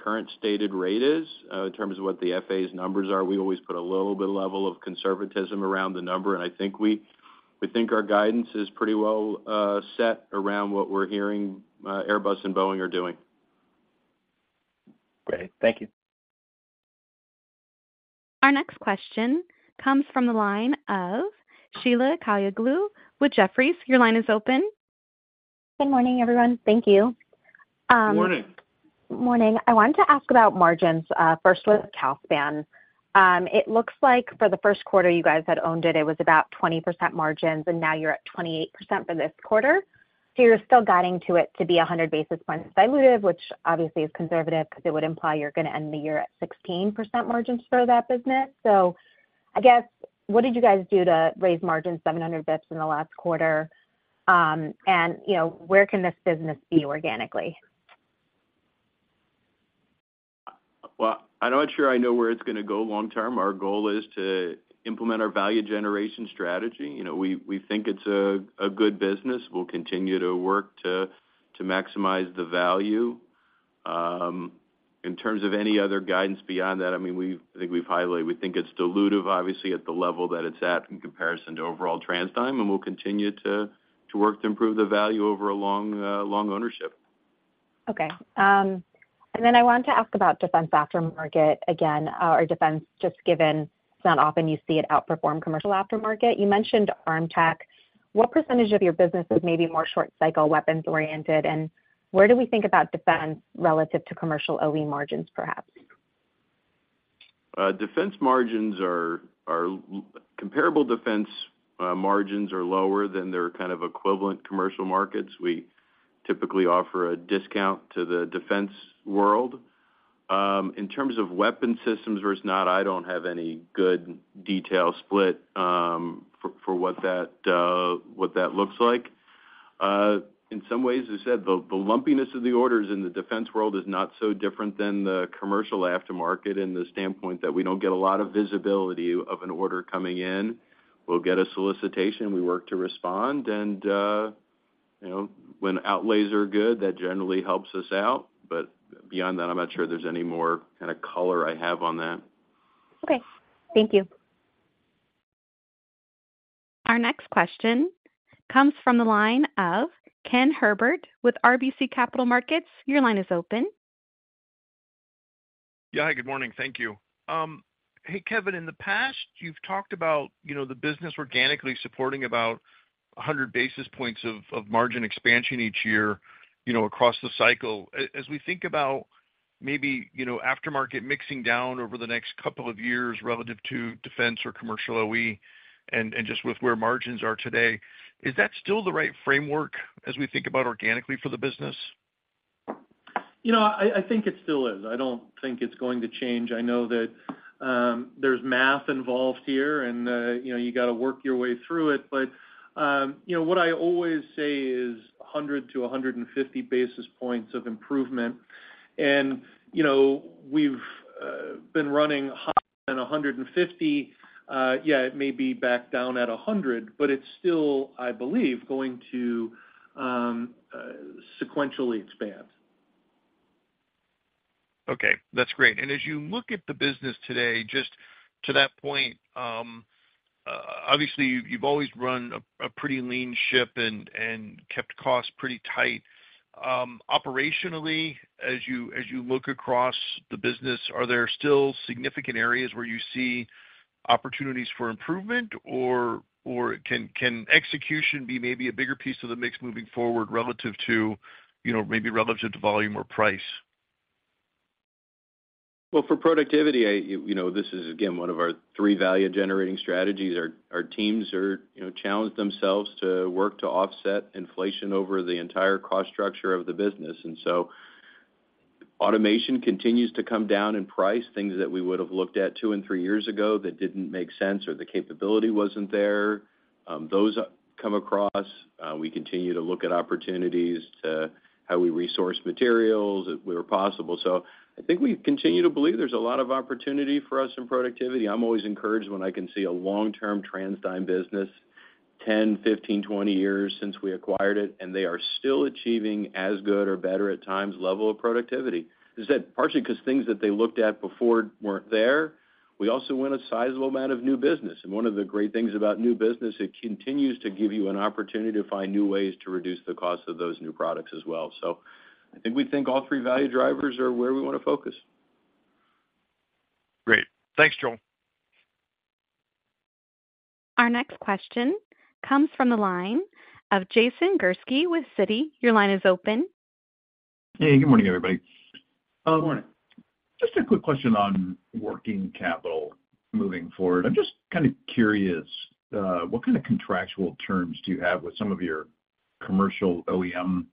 current stated rate is. In terms of what the FAA's numbers are, we always put a little bit of level of conservatism around the number, and I think we think our guidance is pretty well set around what we're hearing, Airbus and Boeing are doing. Great. Thank you. Our next question comes from the line of Sheila Kahyaoglu with Jefferies. Your line is open. Good morning, everyone. Thank you, Good morning. Morning. I wanted to ask about margins, first with Calspan. It looks like for the first quarter you guys had owned it, it was about 20% margins, and now you're at 28% for this quarter. So you're still guiding to it to be 100 basis points dilutive, which obviously is conservative because it would imply you're going to end the year at 16% margins for that business. So I guess, what did you guys do to raise margins 700 basis points in the last quarter? And you know, where can this business be organically? Well, I'm not sure I know where it's gonna go long term. Our goal is to implement our value generation strategy. You know, we think it's a good business. We'll continue to work to maximize the value. In terms of any other guidance beyond that, I mean, we've, I think we've highlighted, we think it's dilutive, obviously, at the level that it's at in comparison to overall TransDigm, and we'll continue to work to improve the value over a long, long ownership. Okay. Then I wanted to ask about defense aftermarket again, or defense, just given it's not often you see it outperform commercial aftermarket. You mentioned Armtec. What percentage of your business is maybe more short cycle, weapons-oriented, and where do we think about defense relative to commercial OE margins, perhaps? Comparable defense margins are lower than their kind of equivalent commercial markets. We typically offer a discount to the defense world. In terms of weapon systems versus not, I don't have any good detailed split for what that looks like. In some ways, as I said, the lumpiness of the orders in the defense world is not so different than the commercial aftermarket in the standpoint that we don't get a lot of visibility of an order coming in. We'll get a solicitation, we work to respond, and, you know, when outlays are good, that generally helps us out. But beyond that, I'm not sure there's any more kind of color I have on that. Okay, thank you. Our next question comes from the line of Ken Herbert with RBC Capital Markets. Your line is open. Yeah. Hi, good morning. Thank you. Hey, Kevin, in the past, you've talked about, you know, the business organically supporting about 100 basis points of margin expansion each year, you know, across the cycle. As we think about maybe, you know, aftermarket mixing down over the next couple of years relative to defense or commercial OE, and just with where margins are today, is that still the right framework as we think about organically for the business? You know, I think it still is. I don't think it's going to change. I know that there's math involved here, and you know, you got to work your way through it. But you know, what I always say is 100-150 basis points of improvement. And you know, we've been running higher than 150. Yeah, it may be back down at 100, but it's still, I believe, going to sequentially expand. Okay, that's great. And as you look at the business today, just to that point, obviously, you've always run a pretty lean ship and kept costs pretty tight. Operationally, as you look across the business, are there still significant areas where you see opportunities for improvement, or can execution be maybe a bigger piece of the mix moving forward relative to, you know, maybe relative to volume or price? Well, for productivity, I, you know, this is, again, one of our three value-generating strategies. Our teams are, you know, challenged themselves to work to offset inflation over the entire cost structure of the business. And so automation continues to come down in price. Things that we would have looked at 2 and 3 years ago that didn't make sense or the capability wasn't there, those come across. We continue to look at opportunities to how we resource materials, if they were possible. So I think we continue to believe there's a lot of opportunity for us in productivity. I'm always encouraged when I can see a long-term TransDigm business, 10, 15, 20 years since we acquired it, and they are still achieving as good or better at times, level of productivity. Is that partially 'cause things that they looked at before weren't there? We also win a sizable amount of new business, and one of the great things about new business, it continues to give you an opportunity to find new ways to reduce the cost of those new products as well. So I think all three value drivers are where we want to focus. Great. Thanks, Joel. Our next question comes from the line of Jason Gursky with Citi. Your line is open. Hey, good morning, everybody. Good morning. Just a quick question on working capital moving forward. I'm just kind of curious, what kind of contractual terms do you have with some of your commercial OEM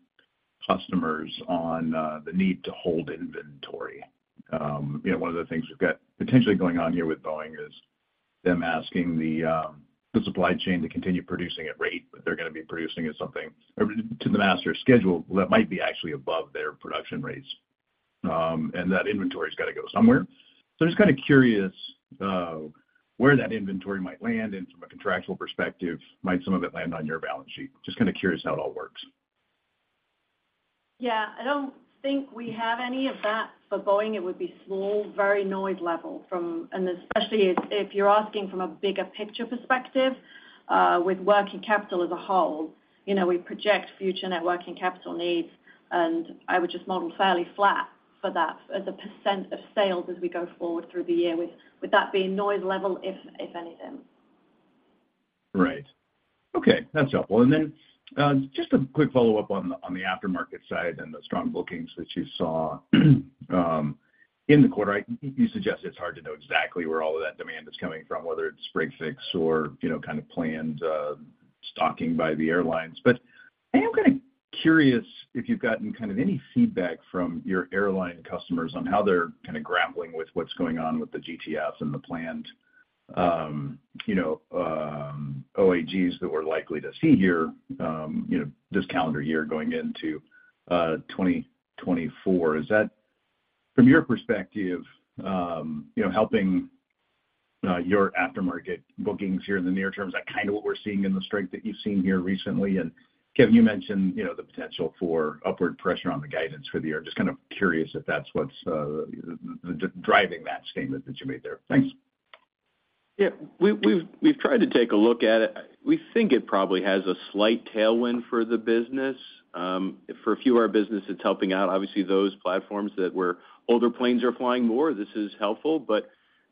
customers on, the need to hold inventory? You know, one of the things we've got potentially going on here with Boeing is them asking the, the supply chain to continue producing at rate, but they're going to be producing at something or to the master schedule that might be actually above their production rates. And that inventory has got to go somewhere. So just kind of curious, where that inventory might land and from a contractual perspective, might some of it land on your balance sheet? Just kind of curious how it all works. Yeah. I don't think we have any of that. For Boeing, it would be small, very noise level from... And especially if you're asking from a bigger picture perspective, with working capital as a whole, you know, we project future net working capital needs, and I would just model fairly flat for that as a percent of sales as we go forward through the year, with that being noise level if anything. Right. Okay, that's helpful. And then, just a quick follow-up on the, on the aftermarket side and the strong bookings that you saw in the quarter. You suggest it's hard to know exactly where all of that demand is coming from, whether it's spring fix or, you know, kind of planned stocking by the airlines. But I am kind of curious if you've gotten kind of any feedback from your airline customers on how they're kind of grappling with what's going on with the GTFs and the planned, you know, AOGs that we're likely to see here, you know, this calendar year going into 2024. Is that, from your perspective, you know, helping your aftermarket bookings here in the near term? Is that kind of what we're seeing in the strength that you've seen here recently? Kevin, you mentioned, you know, the potential for upward pressure on the guidance for the year. Just kind of curious if that's what's driving that statement that you made there. Thanks. Yeah. We've tried to take a look at it. We think it probably has a slight tailwind for the business. For a few of our business, it's helping out. Obviously, those platforms that where older planes are flying more, this is helpful, but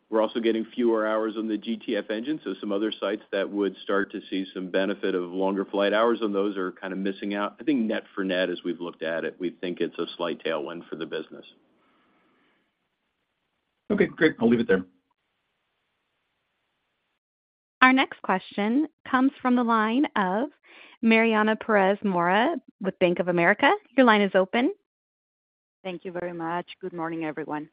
we're also getting fewer hours on the GTF engine, so some other sites that would start to see some benefit of longer flight hours on those are kind of missing out. I think net for net, as we've looked at it, we think it's a slight tailwind for the business. Okay, great. I'll leave it there. Our next question comes from the line of Mariana Perez Mora with Bank of America. Your line is open. Thank you very much. Good morning, everyone.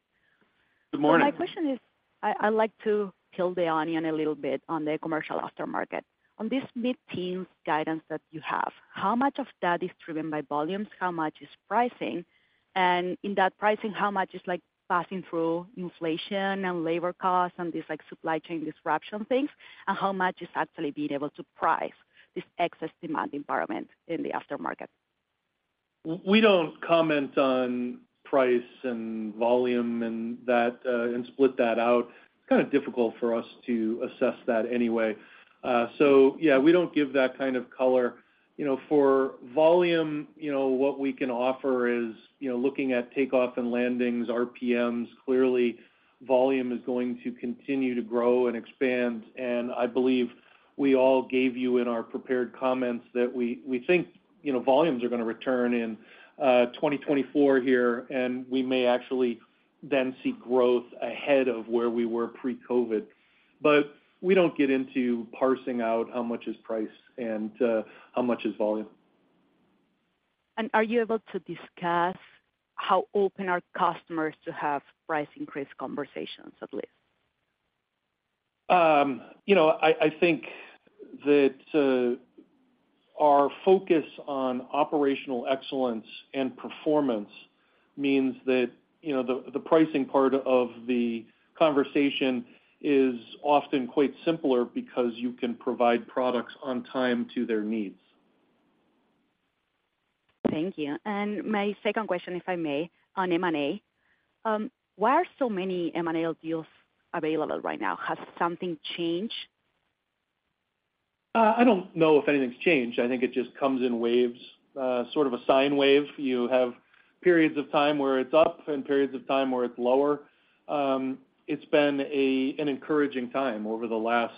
Good morning. My question is, I, I'd like to peel the onion a little bit on the commercial aftermarket. On this mid-teens guidance that you have, how much of that is driven by volumes? How much is pricing? And in that pricing, how much is, like, passing through inflation and labor costs and these, like, supply chain disruption things, and how much is actually being able to price this excess demand environment in the aftermarket? We don't comment on price and volume and that, and split that out. It's kind of difficult for us to assess that anyway. So yeah, we don't give that kind of color. You know, for volume, you know, what we can offer is, you know, looking at takeoff and landings, RPMs, clearly, volume is going to continue to grow and expand. And I believe we all gave you in our prepared comments that we, we think, you know, volumes are going to return in, 2024 here, and we may actually then see growth ahead of where we were pre-COVID. But we don't get into parsing out how much is price and, how much is volume. Are you able to discuss how open are customers to have price increase conversations, at least? You know, I think that our focus on operational excellence and performance means that, you know, the pricing part of the conversation is often quite simpler because you can provide products on time to their needs. Thank you. My second question, if I may, on M&A. Why are so many M&A deals available right now? Has something changed? I don't know if anything's changed. I think it just comes in waves, sort of a sine wave. You have periods of time where it's up and periods of time where it's lower. It's been an encouraging time over the last,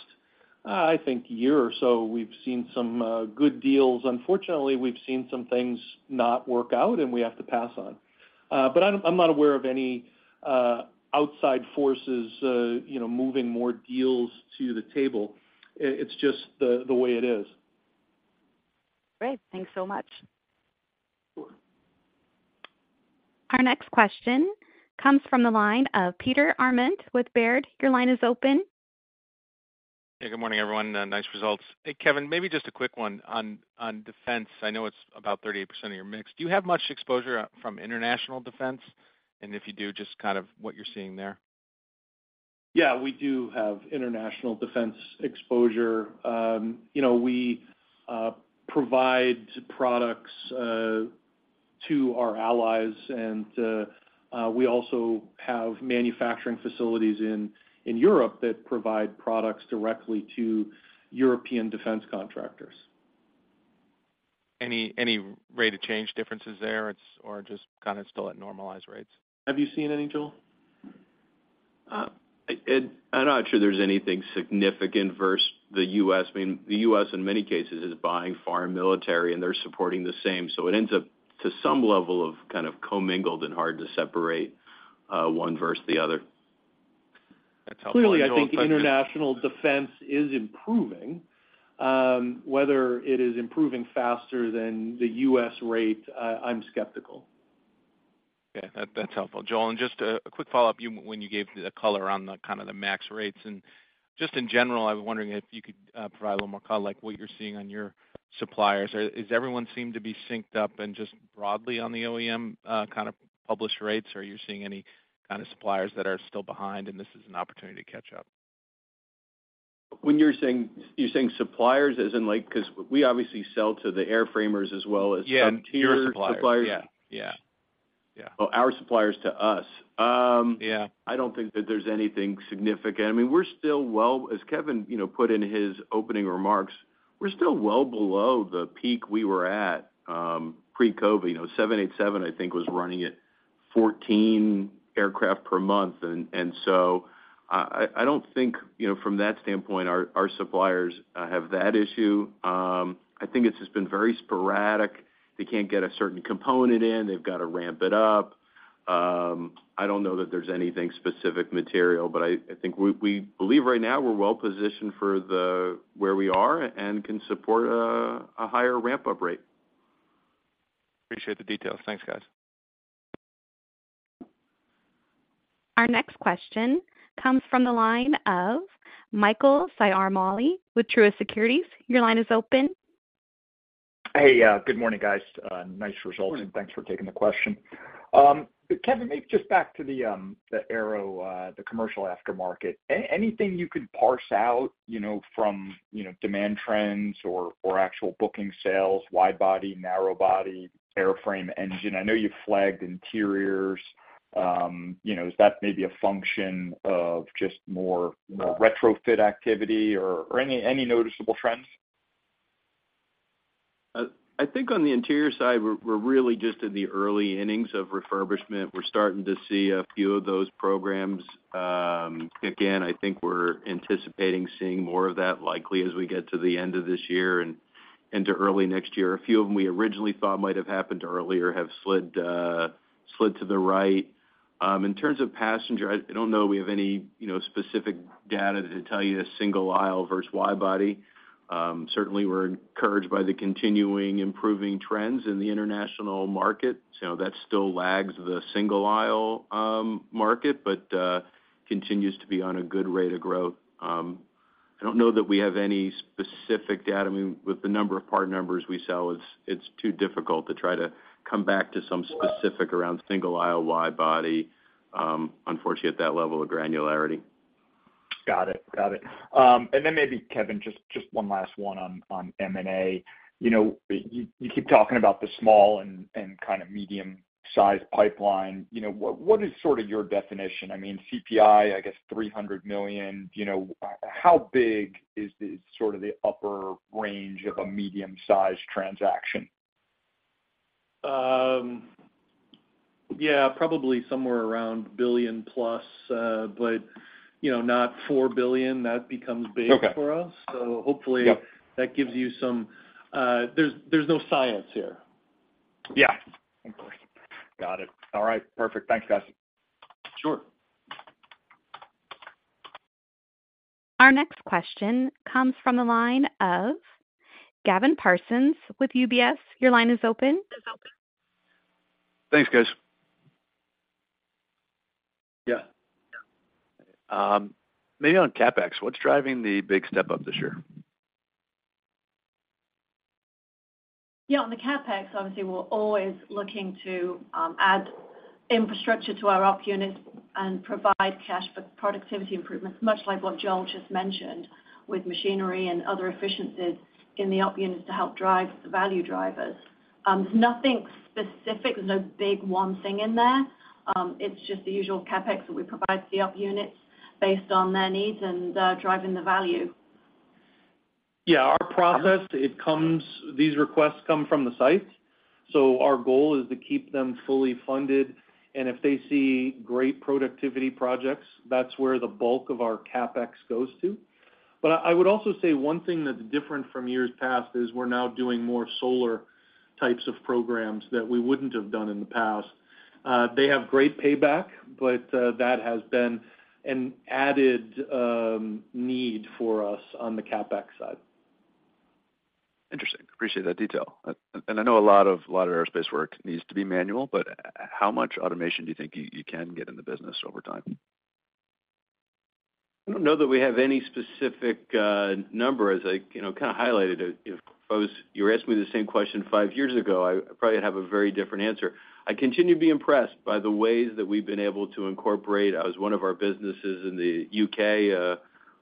I think, year or so. We've seen some good deals. Unfortunately, we've seen some things not work out, and we have to pass on. But I'm not aware of any outside forces, you know, moving more deals to the table. It's just the way it is. Great. Thanks so much. Sure. Our next question comes from the line of Peter Arment with Baird. Your line is open. Hey, good morning, everyone. Nice results. Hey, Kevin, maybe just a quick one on, on defense. I know it's about 38% of your mix. Do you have much exposure out from international defense? And if you do, just kind of what you're seeing there. Yeah, we do have international defense exposure. You know, we provide products to our allies, and we also have manufacturing facilities in Europe that provide products directly to European defense contractors. Any rate of change differences there? It's or just kind of still at normalized rates? Have you seen any, Joel? I'm not sure there's anything significant versus the U.S. I mean, the U.S., in many cases, is buying foreign military, and they're supporting the same, so it ends up to some level of kind of commingled and hard to separate, one versus the other. That's helpful. Clearly, I think international defense is improving. Whether it is improving faster than the U.S. rate, I'm skeptical. Yeah, that's helpful, Joel. And just a quick follow-up, you—when you gave the color on the kind of the MAX rates. And just in general, I was wondering if you could provide a little more color, like what you're seeing on your suppliers. Is everyone seemed to be synced up and just broadly on the OEM, kind of published rates, or are you seeing any kind of suppliers that are still behind, and this is an opportunity to catch up? When you're saying—you're saying suppliers as in, like... Because we obviously sell to the airframers as well as- Yeah. - tier suppliers. Yeah. Yeah. Yeah. Oh, our suppliers to us. Yeah. I don't think that there's anything significant. I mean, we're still well—As Kevin, you know, put in his opening remarks, we're still well below the peak we were at, pre-COVID. You know, 787, I think, was running at 14 aircraft per month. And so I don't think, you know, from that standpoint, our suppliers have that issue. I think it's just been very sporadic. They can't get a certain component in. They've got to ramp it up. I don't know that there's anything specific material, but I think we believe right now we're well positioned for where we are and can support a higher ramp-up rate. Appreciate the details. Thanks, guys. Our next question comes from the line of Michael Ciarmoli with Truist Securities. Your line is open. Hey, good morning, guys. Nice results, and thanks for taking the question. Kevin, maybe just back to the, the aero, the commercial aftermarket. Anything you could parse out, you know, from, you know, demand trends or, or actual booking sales, wide-body, narrow-body, airframe, engine? I know you flagged interiors. You know, is that maybe a function of just more, more retrofit activity or, or any, any noticeable trends? I think on the interior side, we're really just in the early innings of refurbishment. We're starting to see a few of those programs. Again, I think we're anticipating seeing more of that likely as we get to the end of this year and into early next year. A few of them we originally thought might have happened earlier have slid to the right. In terms of passenger, I don't know we have any, you know, specific data to tell you the single aisle versus wide body. Certainly, we're encouraged by the continuing improving trends in the international market, so that still lags the single aisle market, but continues to be on a good rate of growth. I don't know that we have any specific data. I mean, with the number of part numbers we sell, it's too difficult to try to come back to some specific around single aisle, wide body, unfortunately, at that level of granularity. Got it. Got it. And then maybe, Kevin, just, just one last one on, on M&A. You know, you, you keep talking about the small and, and kind of medium-sized pipeline. You know, what, what is sort of your definition? I mean, CPI, I guess $300 million, you know, how big is the sort of the upper range of a medium-sized transaction? Yeah, probably somewhere around $1 billion plus, but, you know, not $4 billion. That becomes big for us. Okay. So hopefully- Yep. That gives you some. There's no science here. Yeah, of course. Got it. All right, perfect. Thanks, guys. Sure. Our next question comes from the line of Gavin Parsons with UBS. Your line is open. Thanks, guys. Yeah. Maybe on CapEx, what's driving the big step up this year? Yeah, on the CapEx, obviously, we're always looking to add infrastructure to our op units and provide cash for productivity improvements, much like what Joel just mentioned, with machinery and other efficiencies in the op units to help drive the value drivers. There's nothing specific. There's no big one thing in there. It's just the usual CapEx that we provide to the op units based on their needs and driving the value. Yeah, our process, these requests come from the sites, so our goal is to keep them fully funded, and if they see great productivity projects, that's where the bulk of our CapEx goes to. But I would also say one thing that's different from years past is we're now doing more solar types of programs that we wouldn't have done in the past. They have great payback, but that has been an added need for us on the CapEx side. Interesting. I appreciate that detail. I know a lot of aerospace work needs to be manual, but how much automation do you think you can get in the business over time? I don't know that we have any specific number. As I, you know, kind of highlighted it, if I was-- if you were asking me the same question five years ago, I'd probably have a very different answer. I continue to be impressed by the ways that we've been able to incorporate. I was in one of our businesses in the UK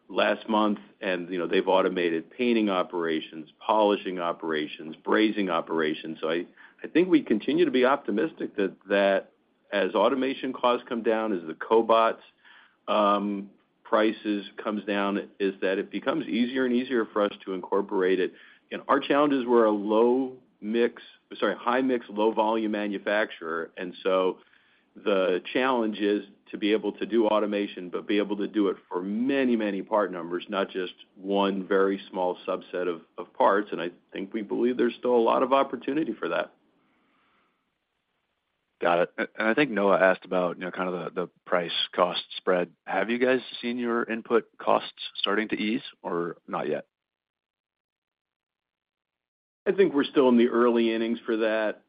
last month, and, you know, they've automated painting operations, polishing operations, brazing operations. So I, I think we continue to be optimistic that, that as automation costs come down, as the cobots prices comes down, is that it becomes easier and easier for us to incorporate it. Our challenges: we're a low mix—sorry, high mix, low volume manufacturer, and so the challenge is to be able to do automation, but be able to do it for many, many part numbers, not just one very small subset of parts. I think we believe there's still a lot of opportunity for that. Got it. And I think Noah asked about, you know, kind of the, the price cost spread. Have you guys seen your input costs starting to ease or not yet? I think we're still in the early innings for that.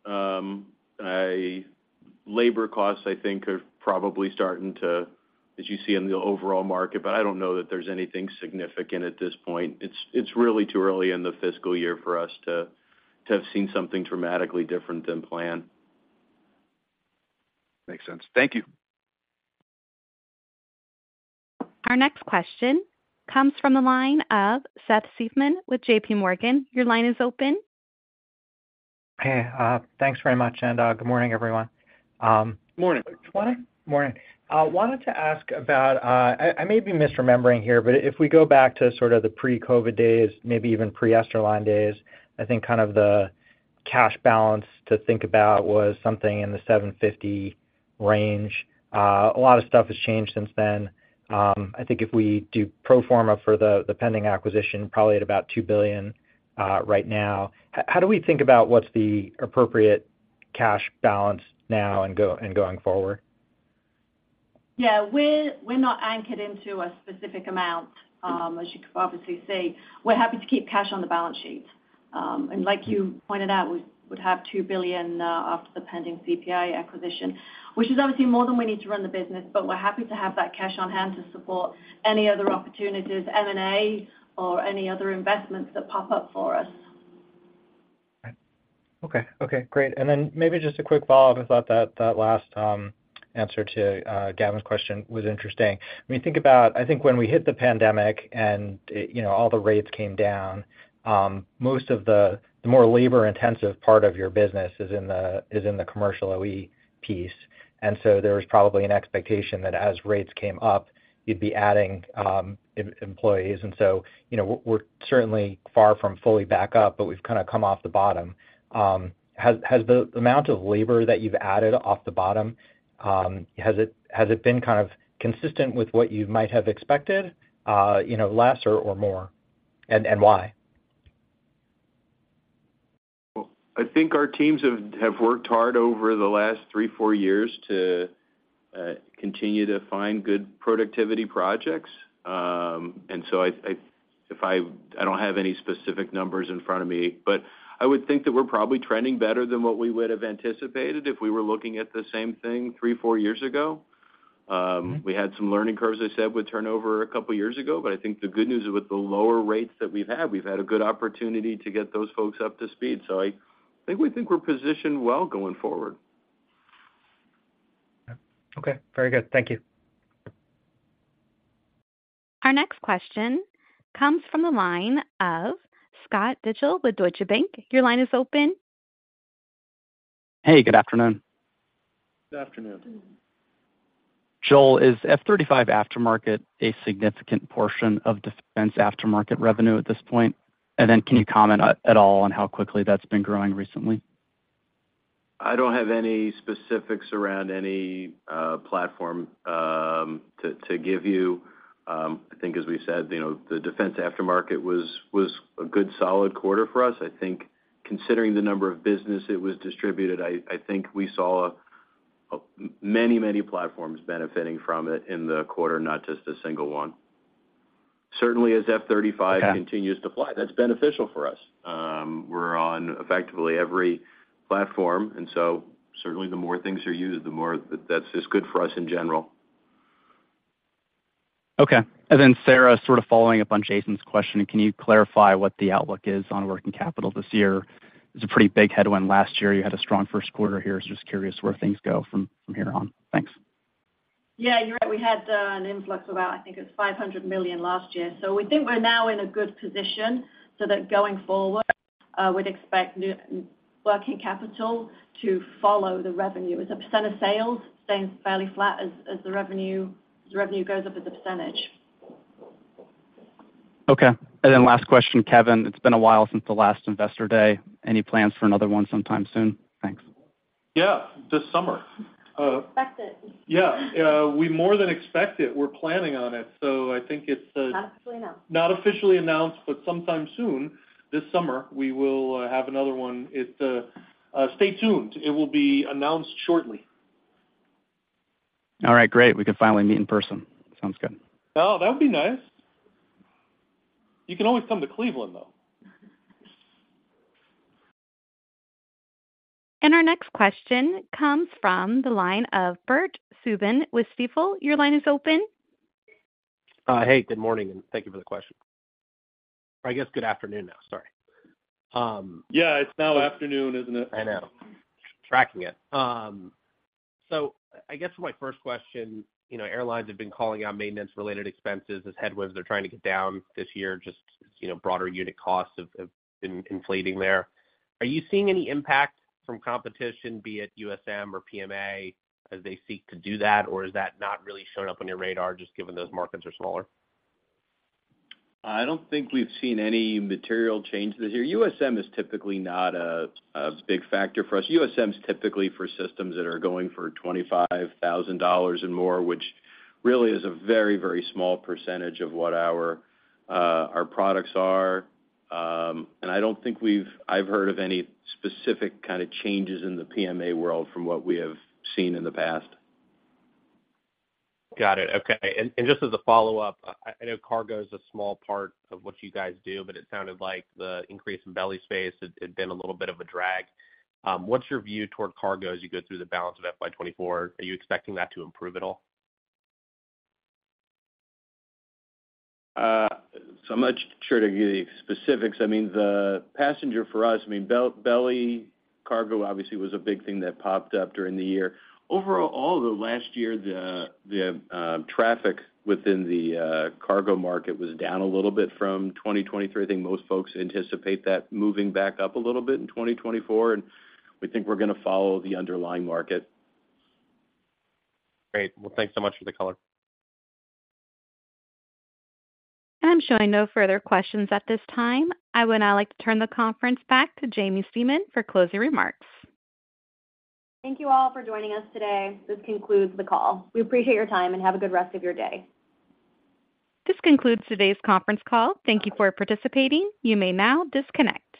Labor costs, I think, are probably starting to, as you see in the overall market, but I don't know that there's anything significant at this point. It's really too early in the fiscal year for us to have seen something dramatically different than planned. Makes sense. Thank you. Our next question comes from the line of Seth Seifman with JP Morgan. Your line is open. Hey, thanks very much, and, good morning, everyone. Morning. Morning. I wanted to ask about, I may be misremembering here, but if we go back to sort of the pre-COVID days, maybe even pre-Esterline days, I think kind of the cash balance to think about was something in the $750 million range. A lot of stuff has changed since then. I think if we do pro forma for the pending acquisition, probably at about $2 billion right now. How do we think about what's the appropriate cash balance now and going forward? Yeah, we're not anchored into a specific amount. As you can obviously see, we're happy to keep cash on the balance sheet. Like you pointed out, we would have $2 billion after the pending CPI acquisition, which is obviously more than we need to run the business, but we're happy to have that cash on hand to support any other opportunities, M&A, or any other investments that pop up for us. Okay. Okay, great. And then maybe just a quick follow-up. I thought that last answer to Gavin's question was interesting. When you think about—I think when we hit the pandemic and, it, you know, all the rates came down, most of the more labor-intensive part of your business is in the commercial OE piece. And so there was probably an expectation that as rates came up, you'd be adding employees. And so, you know, we're certainly far from fully back up, but we've kind of come off the bottom. Has the amount of labor that you've added off the bottom been kind of consistent with what you might have expected, you know, less or more, and why? ... I think our teams have worked hard over the last three, four years to continue to find good productivity projects. And so, if I don't have any specific numbers in front of me, but I would think that we're probably trending better than what we would have anticipated if we were looking at the same thing three, four years ago. We had some learning curves, I said, with turnover a couple of years ago, but I think the good news is, with the lower rates that we've had, we've had a good opportunity to get those folks up to speed. So I think we think we're positioned well going forward. Okay, very good. Thank you. Our next question comes from the line of Scott Deuschle with Deutsche Bank. Your line is open. Hey, good afternoon. Good afternoon. Joel, is F-35 aftermarket a significant portion of defense aftermarket revenue at this point? And then can you comment at all on how quickly that's been growing recently? I don't have any specifics around any platform to give you. I think as we said, you know, the defense aftermarket was a good solid quarter for us. I think considering the number of business it was distributed, I think we saw many platforms benefiting from it in the quarter, not just a single one. Certainly, as F-35 continues to fly, that's beneficial for us. We're on effectively every platform, and so certainly, the more things are used, the more that's just good for us in general. Okay. And then, Sarah, sort of following up on Jason's question, can you clarify what the outlook is on working capital this year? It's a pretty big headwind. Last year, you had a strong first quarter here. Just curious where things go from here on. Thanks. Yeah, you're right. We had an influx of about, I think it was $500 million last year. So we think we're now in a good position so that going forward, we'd expect new working capital to follow the revenue. As a % of sales, staying fairly flat as, as the revenue, as the revenue goes up as a percentage. Okay. And then last question, Kevin. It's been a while since the last Investor Day. Any plans for another one sometime soon? Thanks. Yeah, this summer. Expect it. Yeah. We more than expect it, we're planning on it. So I think it's, Not officially announced. Not officially announced, but sometime soon, this summer, we will have another one. It's. Stay tuned. It will be announced shortly. All right, great. We can finally meet in person. Sounds good. Oh, that would be nice. You can always come to Cleveland, though. Our next question comes from the line of Bert Subin with Stifel. Your line is open. Hey, good morning, and thank you for the question. I guess good afternoon now, sorry. Yeah, it's now afternoon, isn't it? I know. Tracking it. So I guess my first question, you know, airlines have been calling out maintenance-related expenses as headwinds they're trying to get down this year, just, you know, broader unit costs have been inflating there. Are you seeing any impact from competition, be it USM or PMA, as they seek to do that, or is that not really showing up on your radar, just given those markets are smaller? I don't think we've seen any material change this year. USM is typically not a big factor for us. USM is typically for systems that are going for $25,000 and more, which really is a very, very small percentage of what our, our products are. And I don't think I've heard of any specific kind of changes in the PMA world from what we have seen in the past. Got it. Okay. And just as a follow-up, I know cargo is a small part of what you guys do, but it sounded like the increase in belly space had been a little bit of a drag. What's your view toward cargo as you go through the balance of FY 2024? Are you expecting that to improve at all? So I'm not sure to give you the specifics. I mean, the passenger for us, I mean, belly cargo obviously was a big thing that popped up during the year. Overall, all of the last year, the traffic within the cargo market was down a little bit from 2023. I think most folks anticipate that moving back up a little bit in 2024, and we think we're going to follow the underlying market. Great. Well, thanks so much for the color. I'm showing no further questions at this time. I would now like to turn the conference back to Jamie Seaman for closing remarks. Thank you all for joining us today. This concludes the call. We appreciate your time, and have a good rest of your day. This concludes today's conference call. Thank you for participating. You may now disconnect.